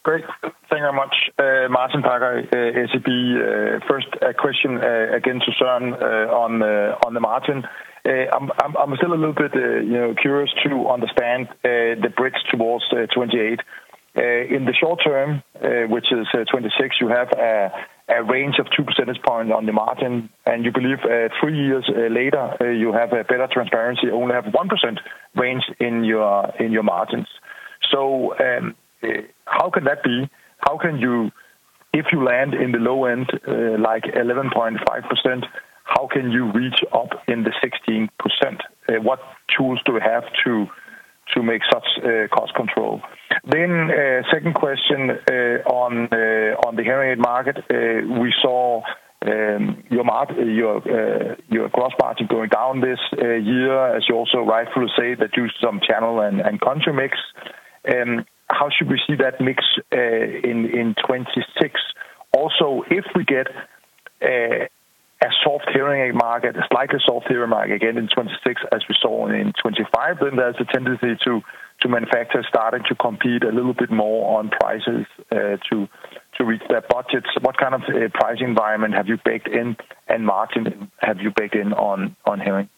Great. Thank you very much. Martin Parkhøi, SEB. First question, again, to Søren, on the margin. I'm still a little bit, you know, curious to understand the bridge towards 2028. In the short term, which is 2026, you have a range of two percentage points on the margin, and you believe three years later you have a better transparency, only have 1% range in your margins. So, how can that be? How can you? If you land in the low end, like 11.5%, how can you reach up in the 16%? What tools do we have to make such cost control? Then, second question, on the Hearing aid market. We saw your gross margin going down this year, as you also rightfully say, that due to some channel and country mix. How should we see that mix in 2026? Also, if we get Hearing aid market, a slightly softer Hearing market again in 2026, as we saw in 2025, then there's a tendency to manufacturers starting to compete a little bit more on prices to reach their budgets. What kind of price environment have you baked in, and margin have you baked in on Hearing?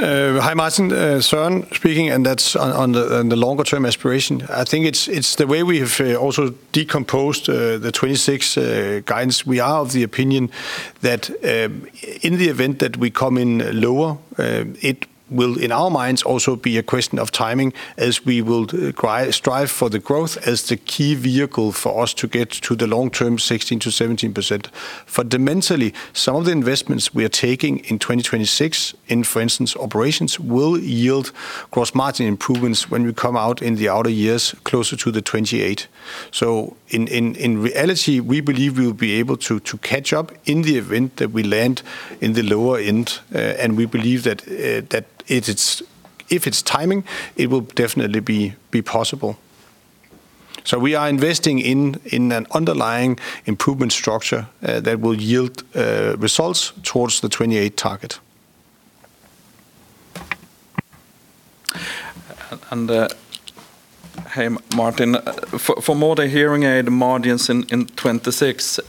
Hi, Martin, Søren speaking, and that's on the longer-term aspiration. I think it's the way we have also decomposed the 2026 guidance. We are of the opinion that it will, in our minds, also be a question of timing, as we will strive for the growth as the key vehicle for us to get to the long-term 16%-17%. Fundamentally, some of the investments we are taking in 2026 in, for instance, operations, will yield gross margin improvements when we come out in the outer years, closer to the 2028. So in reality, we believe we'll be able to catch up in the event that we land in the lower end, and we believe that it's if it's timing, it will definitely be possible. So we are investing in an underlying improvement structure that will yield results towards the 2028 target. Hey, Martin, for more on the Hearing aid margins in 2026,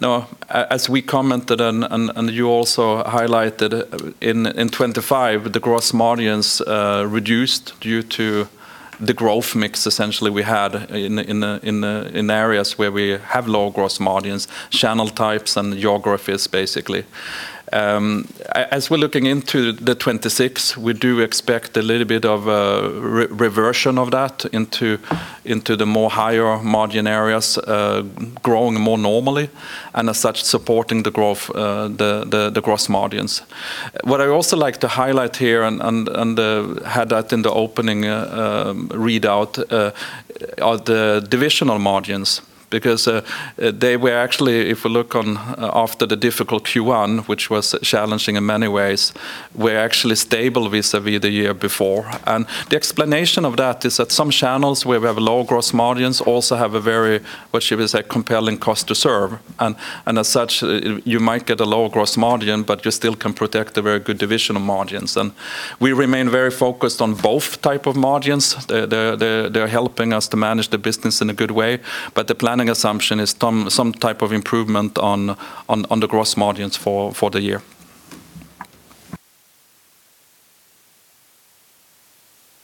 now, as we commented on, and you also highlighted in 2025, the gross margins reduced due to the growth mix essentially we had in the areas where we have low gross margins, channel types and geographies, basically. As we're looking into 2026, we do expect a little bit of a reversion of that into the higher margin areas growing more normally, and as such, supporting the gross margins. What I also like to highlight here and had that in the opening readout are the divisional margins, because they were actually, if we look on after the difficult Q1, which was challenging in many ways, we're actually stable vis-a-vis the year before. And the explanation of that is that some channels where we have low gross margins also have a very, what should we say, compelling cost to serve, and as such, you might get a lower gross margin, but you still can protect the very good divisional margins. And we remain very focused on both type of margins. They're helping us to manage the business in a good way, but the planning assumption is some type of improvement on the gross margins for the year.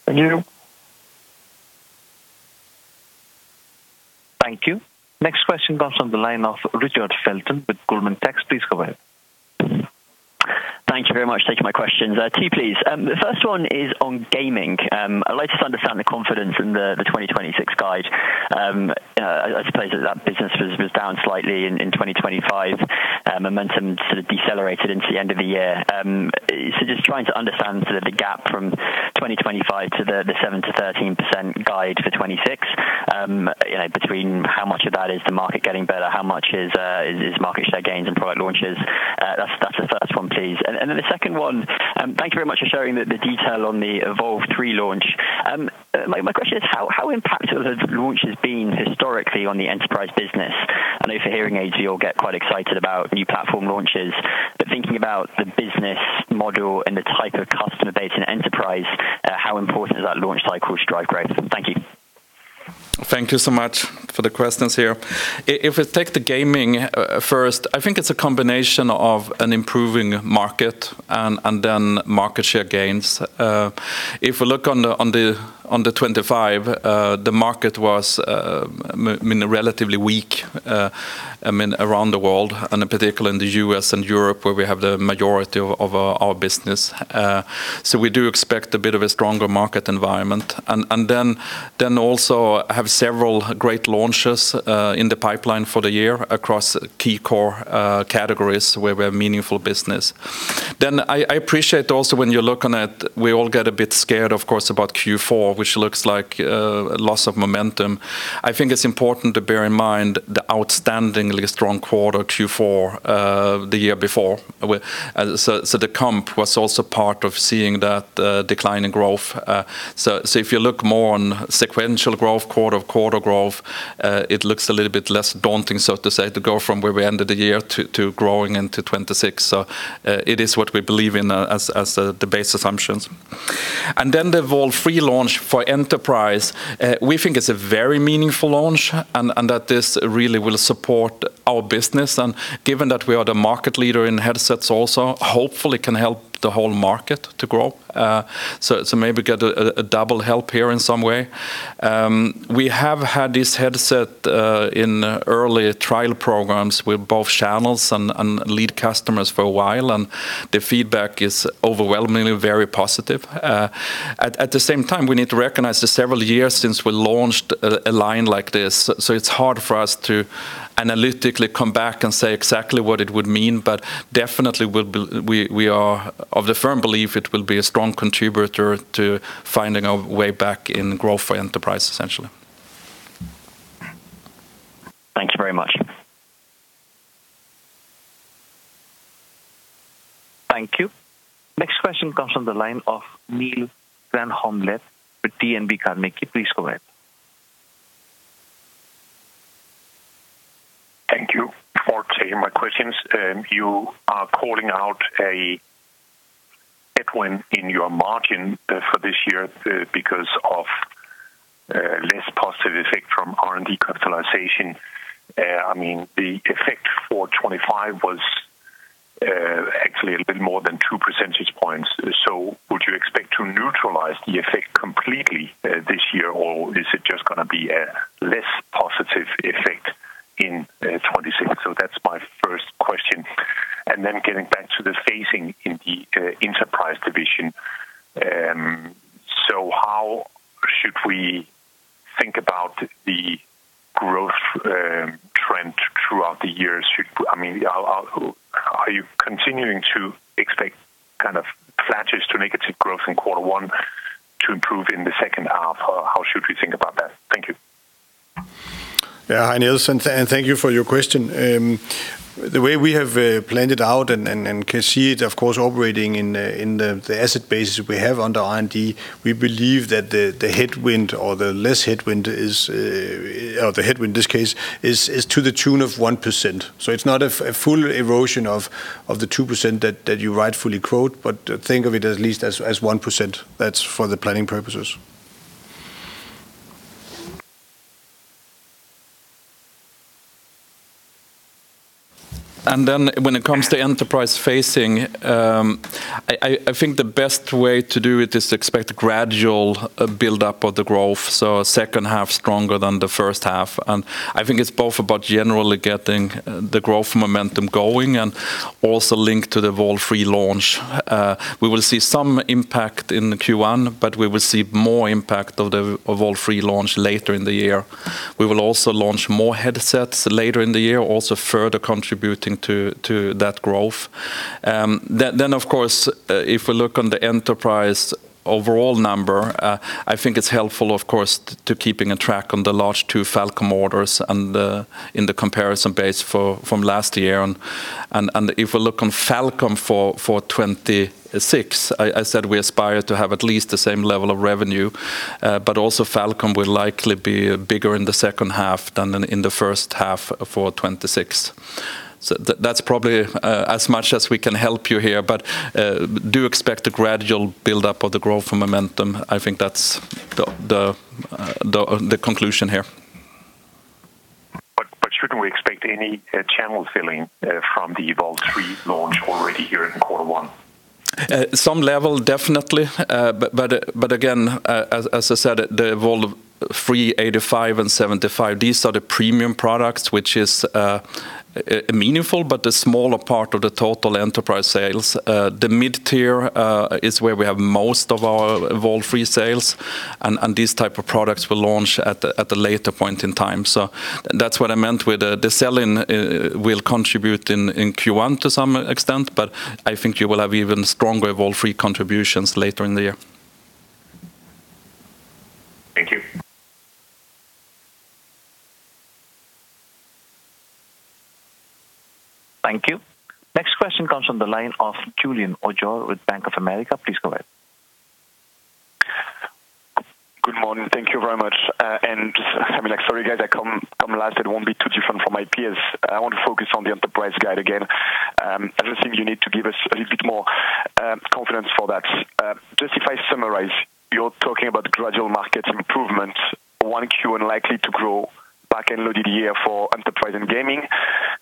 Thank you. Thank you. Next question comes from the line of Richard Felton with Goldman Sachs. Please go ahead. Thank you very much for taking my questions. Two, please. The first one is on gaming. I'd like to understand the confidence in the 2026 guide. I suppose that business was down slightly in 2025. Momentum sort of decelerated into the end of the year. So just trying to understand sort of the gap from 2025 to the 7%-13% guide for 2026, you know, between how much of that is the market getting better, how much is market share gains and product launches? That's the first one, please. And then the second one, thank you very much for sharing the detail on the Evolve3 launch. My question is, how impactful have launches been historically on the enterprise business? I know for Hearing aids, you all get quite excited about new platform launches, but thinking about the business model and the type of customer base in enterprise, how important is that launch cycle to drive growth? Thank you. Thank you so much for the questions here. If we take the gaming first, I think it's a combination of an improving market and, and then market share gains. If we look on the 2025, the market was relatively weak, I mean, around the world, and in particular in the US and Europe, where we have the majority of our business. So we do expect a bit of a stronger market environment. And then also have several great launches in the pipeline for the year across key core categories where we have meaningful business. Then I appreciate also when you're looking at... We all get a bit scared, of course, about Q4, which looks like loss of momentum. I think it's important to bear in mind the outstandingly strong quarter, Q4, the year before, where the comp was also part of seeing that decline in growth. So, if you look more on sequential growth, quarter-over-quarter growth, it looks a little bit less daunting, so to say, to go from where we ended the year to growing into 2026. So, it is what we believe in as the base assumptions. And then the Evolve 3 launch for Enterprise, we think it's a very meaningful launch and that this really will support our business. And given that we are the market leader in headsets also, hopefully can help the whole market to grow, so maybe get a double help here in some way. We have had this headset in early trial programs with both channels and lead customers for a while, and the feedback is overwhelmingly very positive. At the same time, we need to recognize that several years since we launched a line like this, so it's hard for us to analytically come back and say exactly what it would mean, but definitely we are of the firm belief it will be a strong contributor to finding a way back in growth for Enterprise, essentially. Thank you very much.... Thank you. Next question comes from the line of Niels Granholm-Leth with DNB Markets. Please go ahead. Thank you for taking my questions. You are calling out a headwind in your margin for this year because of less positive effect from R&D capitalization. I mean, the effect for 2025 was actually a little more than 2 percentage points. So would you expect to neutralize the effect completely this year, or is it just gonna be a less positive effect in 2026? So that's my first question. And then getting back to the phasing in the enterprise division, so how should we think about the growth trend throughout the years? I mean, how are you continuing to expect kind of flattish to negative growth in quarter one to improve in the second half, or how should we think about that? Thank you. Yeah, hi, Neil, and and thank you for your question. The way we have planned it out and can see it, of course, operating in the asset base we have under R&D, we believe that the headwind or the less headwind is or the headwind, this case, is to the tune of 1%. So it's not a full erosion of the 2% that you rightfully quote, but think of it at least as 1%. That's for the planning purposes. And then when it comes to enterprise facing, I think the best way to do it is to expect a gradual buildup of the growth, so second half stronger than the first half. And I think it's both about generally getting the growth momentum going and also linked to the Evolve3 launch. We will see some impact in the Q1, but we will see more impact of the Evolve3 launch later in the year. We will also launch more headsets later in the year, also further contributing to that growth. Then, of course, if we look on the enterprise overall number, I think it's helpful, of course, to keeping a track on the large two FalCom orders and the in the comparison base from last year. And if we look on FalCom for 2026, I said we aspire to have at least the same level of revenue, but also FalCom will likely be bigger in the second half than in the first half for 2026. So that's probably as much as we can help you here, but do expect a gradual buildup of the growth momentum. I think that's the conclusion here. But shouldn't we expect any channel filling from the Evolve3 launch already here in quarter one? Some level, definitely. But again, as I said, the Evolve3 85 and 75, these are the premium products, which is meaningful, but a smaller part of the total enterprise sales. The mid-tier is where we have most of our Evolve3 sales, and these type of products will launch at a later point in time. So that's what I meant with the sell-in will contribute in Q1 to some extent, but I think you will have even stronger Evolve3 contributions later in the year. Thank you. Thank you. Next question comes from the line of Julien Ouaddour with Bank of America. Please go ahead. Good morning. Thank you very much. I mean, like, sorry, guys, I come last, it won't be too different from my peers. I want to focus on the enterprise guide again. I just think you need to give us a little bit more confidence for that. Just if I summarize, you're talking about gradual markets improvements, 1Q unlikely to grow, back-end loaded year for enterprise and gaming.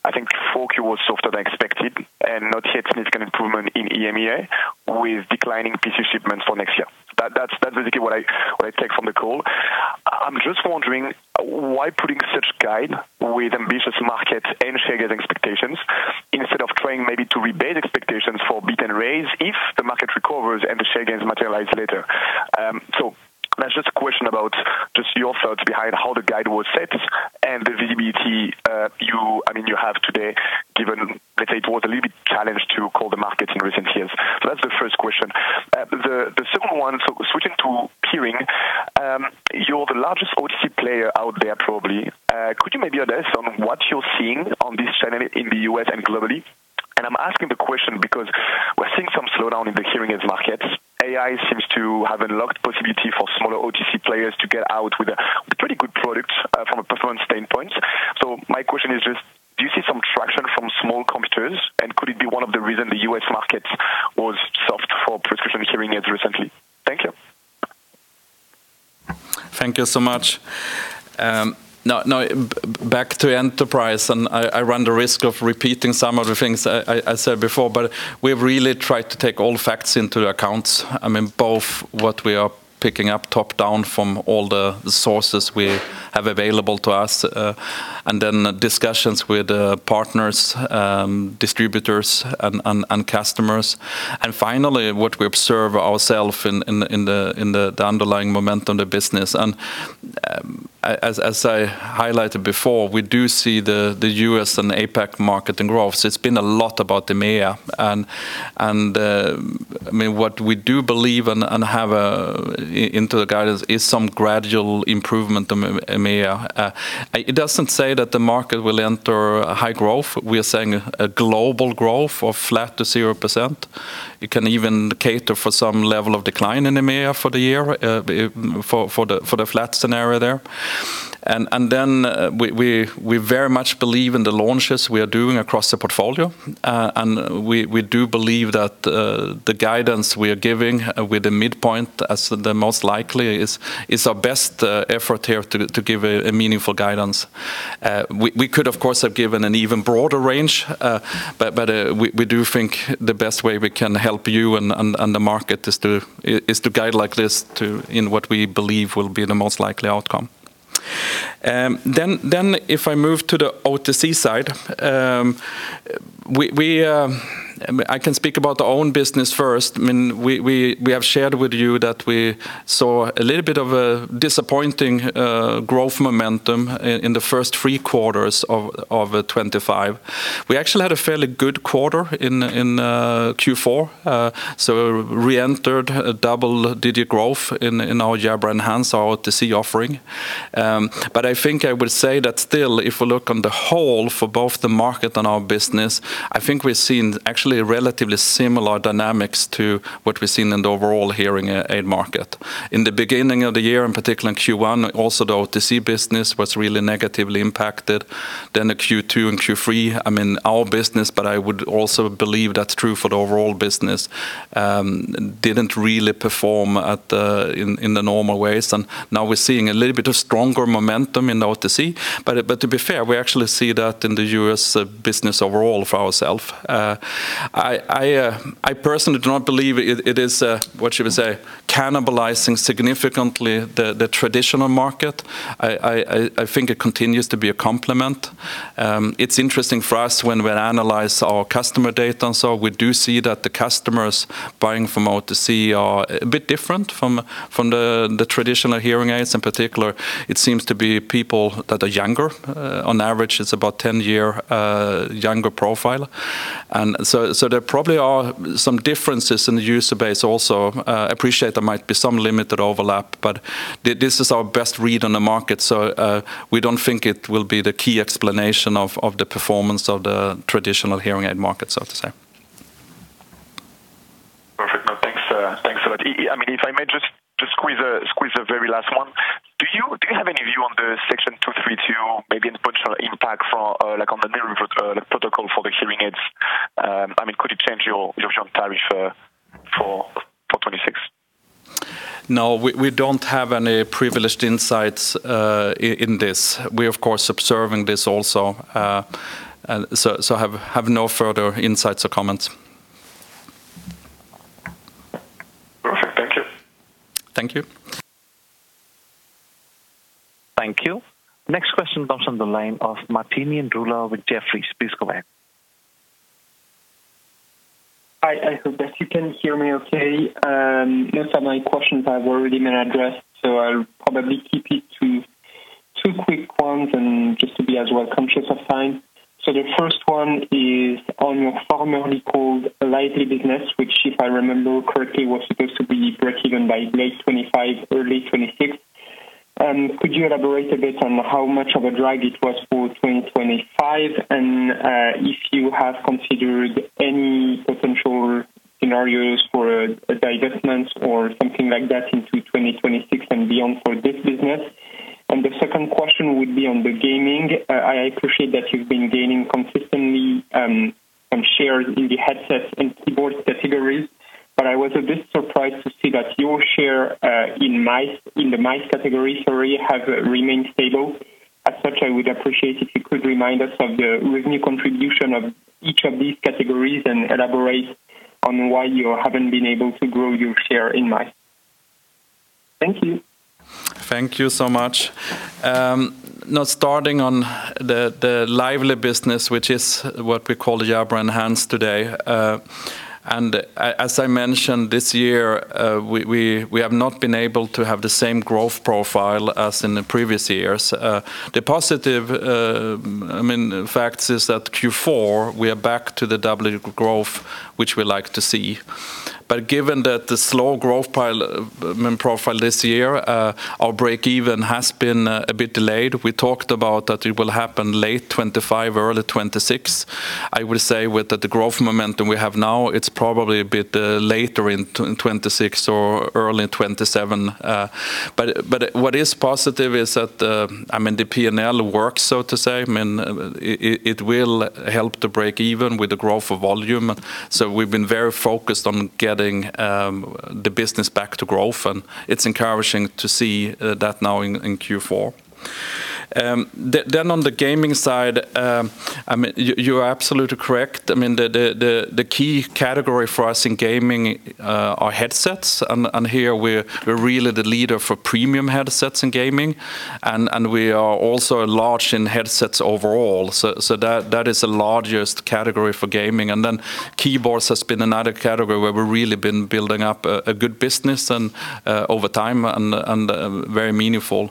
I think 4Q was softer than expected and not yet significant improvement in EMEA, with declining PC shipments for next year. That's basically what I take from the call. I'm just wondering, why putting such guide with ambitious market and share gains expectations, instead of trying maybe to rebate expectations for beat and raise if the market recovers and the share gains materialize later? So that's just a question about just your thoughts behind how the guide was set and the visibility. I mean, you have today, given, let's say, it was a little bit challenged to call the markets in recent years. So that's the first question. The second one, so switching to Hearing, you're the largest OTC player out there, probably. Could you maybe update us on what you're seeing on this channel in the US and globally? And I'm asking the question because we're seeing some slowdown in the Hearing aids market. AI seems to have unlocked possibility for smaller OTC players to get out with pretty good products from a performance standpoint. My question is just: Do you see some traction from small competitors, and could it be one of the reasons the U.S. market was soft for prescription Hearing aids recently? Thank you. Thank you so much. Now back to enterprise, and I run the risk of repeating some of the things I said before, but we've really tried to take all facts into account. I mean, both what we are picking up top-down from all the sources we have available to us, and then discussions with partners, distributors, and customers. And finally, what we observe ourselves in the underlying momentum of the business. As I highlighted before, we do see the U.S. and APAC market in growth. It's been a lot about the EMEA, and I mean, what we do believe and have incorporated into the guidance is some gradual improvement in EMEA. It doesn't say that the market will enter a high growth. We are saying a global growth of flat to 0%. It can even cater for some level of decline in EMEA for the year, flat scenario there. We very much believe in the launches we are doing across the portfolio. We do believe that the guidance we are giving with the midpoint as the most likely is our best effort here to give a meaningful guidance. We could, of course, have given an even broader range, but we do think the best way we can help you and the market is to guide like this to, in what we believe will be the most likely outcome. Then if I move to the OTC side, we, I can speak about our own business first. I mean, we have shared with you that we saw a little bit of a disappointing growth momentum in the first three quarters of 2025. We actually had a fairly good quarter in Q4, so reentered a double-digit growth in our Jabra Enhance our OTC offering. But I think I would say that still, if we look on the whole for both the market and our business, I think we've seen actually relatively similar dynamics to what we've seen in the overall Hearing aid market. In the beginning of the year, in particular in Q1, also the OTC business was really negatively impacted. Then the Q2 and Q3, I mean, our business, but I would also believe that's true for the overall business, didn't really perform at the, in, in the normal ways, and now we're seeing a little bit of stronger momentum in the OTC. But to be fair, we actually see that in the US business overall for ourself. I personally do not believe it is what you would say, cannibalizing significantly the traditional market. I think it continues to be a complement. It's interesting for us when we analyze our customer data, and so we do see that the customers buying from OTC are a bit different from the traditional Hearing aids. In particular, it seems to be people that are younger. On average, it's about 10-year younger profile. And so there probably are some differences in the user base also. Appreciate there might be some limited overlap, but this is our best read on the market, so we don't think it will be the key explanation of the performance of the traditional Hearing aid market, so to say. Perfect. No, thanks, thanks a lot. I mean, if I may just squeeze a very last one. Do you have any view on Section 232, maybe the potential impact for, like, on the new protocol for the Hearing aids? I mean, could it change your tariff for 2026? No, we don't have any privileged insights in this. We're, of course, observing this also. And so have no further insights or comments. Perfect. Thank you. Thank you. Thank you. Next question comes on the line of Martinien Rula with Jefferies. Please go ahead. Hi, I hope that you can hear me okay. Most of my questions have already been addressed, so I'll probably keep it to two quick ones and just to be as well conscious of time. So the first one is on your formerly called Lively business, which, if I remember correctly, was supposed to be breakeven by late 2025, early 2026. Could you elaborate a bit on how much of a drag it was for 2025, and, if you have considered any potential scenarios for a divestment or something like that into 2026 and beyond for this business? And the second question would be on the gaming. I appreciate that you've been gaining consistently on shares in the headsets and keyboards categories, but I was a bit surprised to see that your share in the mice category, sorry, have remained stable. As such, I would appreciate if you could remind us of the revenue contribution of each of these categories and elaborate on why you haven't been able to grow your share in mice. Thank you. Thank you so much. Now, starting on the Lively business, which is what we call Jabra Enhance today, and as I mentioned, this year, we have not been able to have the same growth profile as in the previous years. The positive, I mean, fact is that Q4, we are back to the double growth, which we like to see. But given that the slow growth profile this year, our break even has been a bit delayed. We talked about that it will happen late 2025, early 2026. I will say with the growth momentum we have now, it's probably a bit later in 2026 or early in 2027. But what is positive is that, I mean, the P&L works, so to say. I mean, it will help to break even with the growth of volume, so we've been very focused on getting the business back to growth, and it's encouraging to see that now in Q4. Then on the gaming side, I mean, you're absolutely correct. I mean, the key category for us in gaming are headsets, and here we're really the leader for premium headsets in gaming, and we are also large in headsets overall. So that is the largest category for gaming. And then keyboards has been another category where we're really been building up a good business and over time, and very meaningful.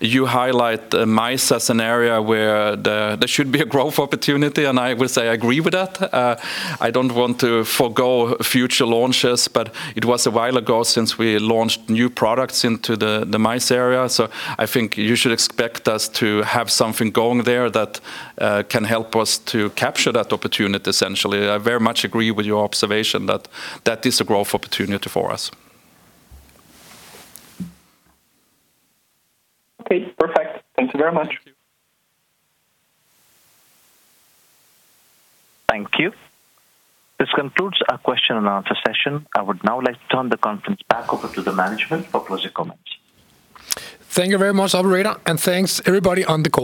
You highlight mice as an area where there should be a growth opportunity, and I would say I agree with that. I don't want to forgo future launches, but it was a while ago since we launched new products into the mice area, so I think you should expect us to have something going there that can help us to capture that opportunity, essentially. I very much agree with your observation that that is a growth opportunity for us. Okay, perfect. Thank you very much. Thank you. This concludes our question and answer session. I would now like to turn the conference back over to the management for closing comments. Thank you very much, operator, and thanks, everybody, on the call.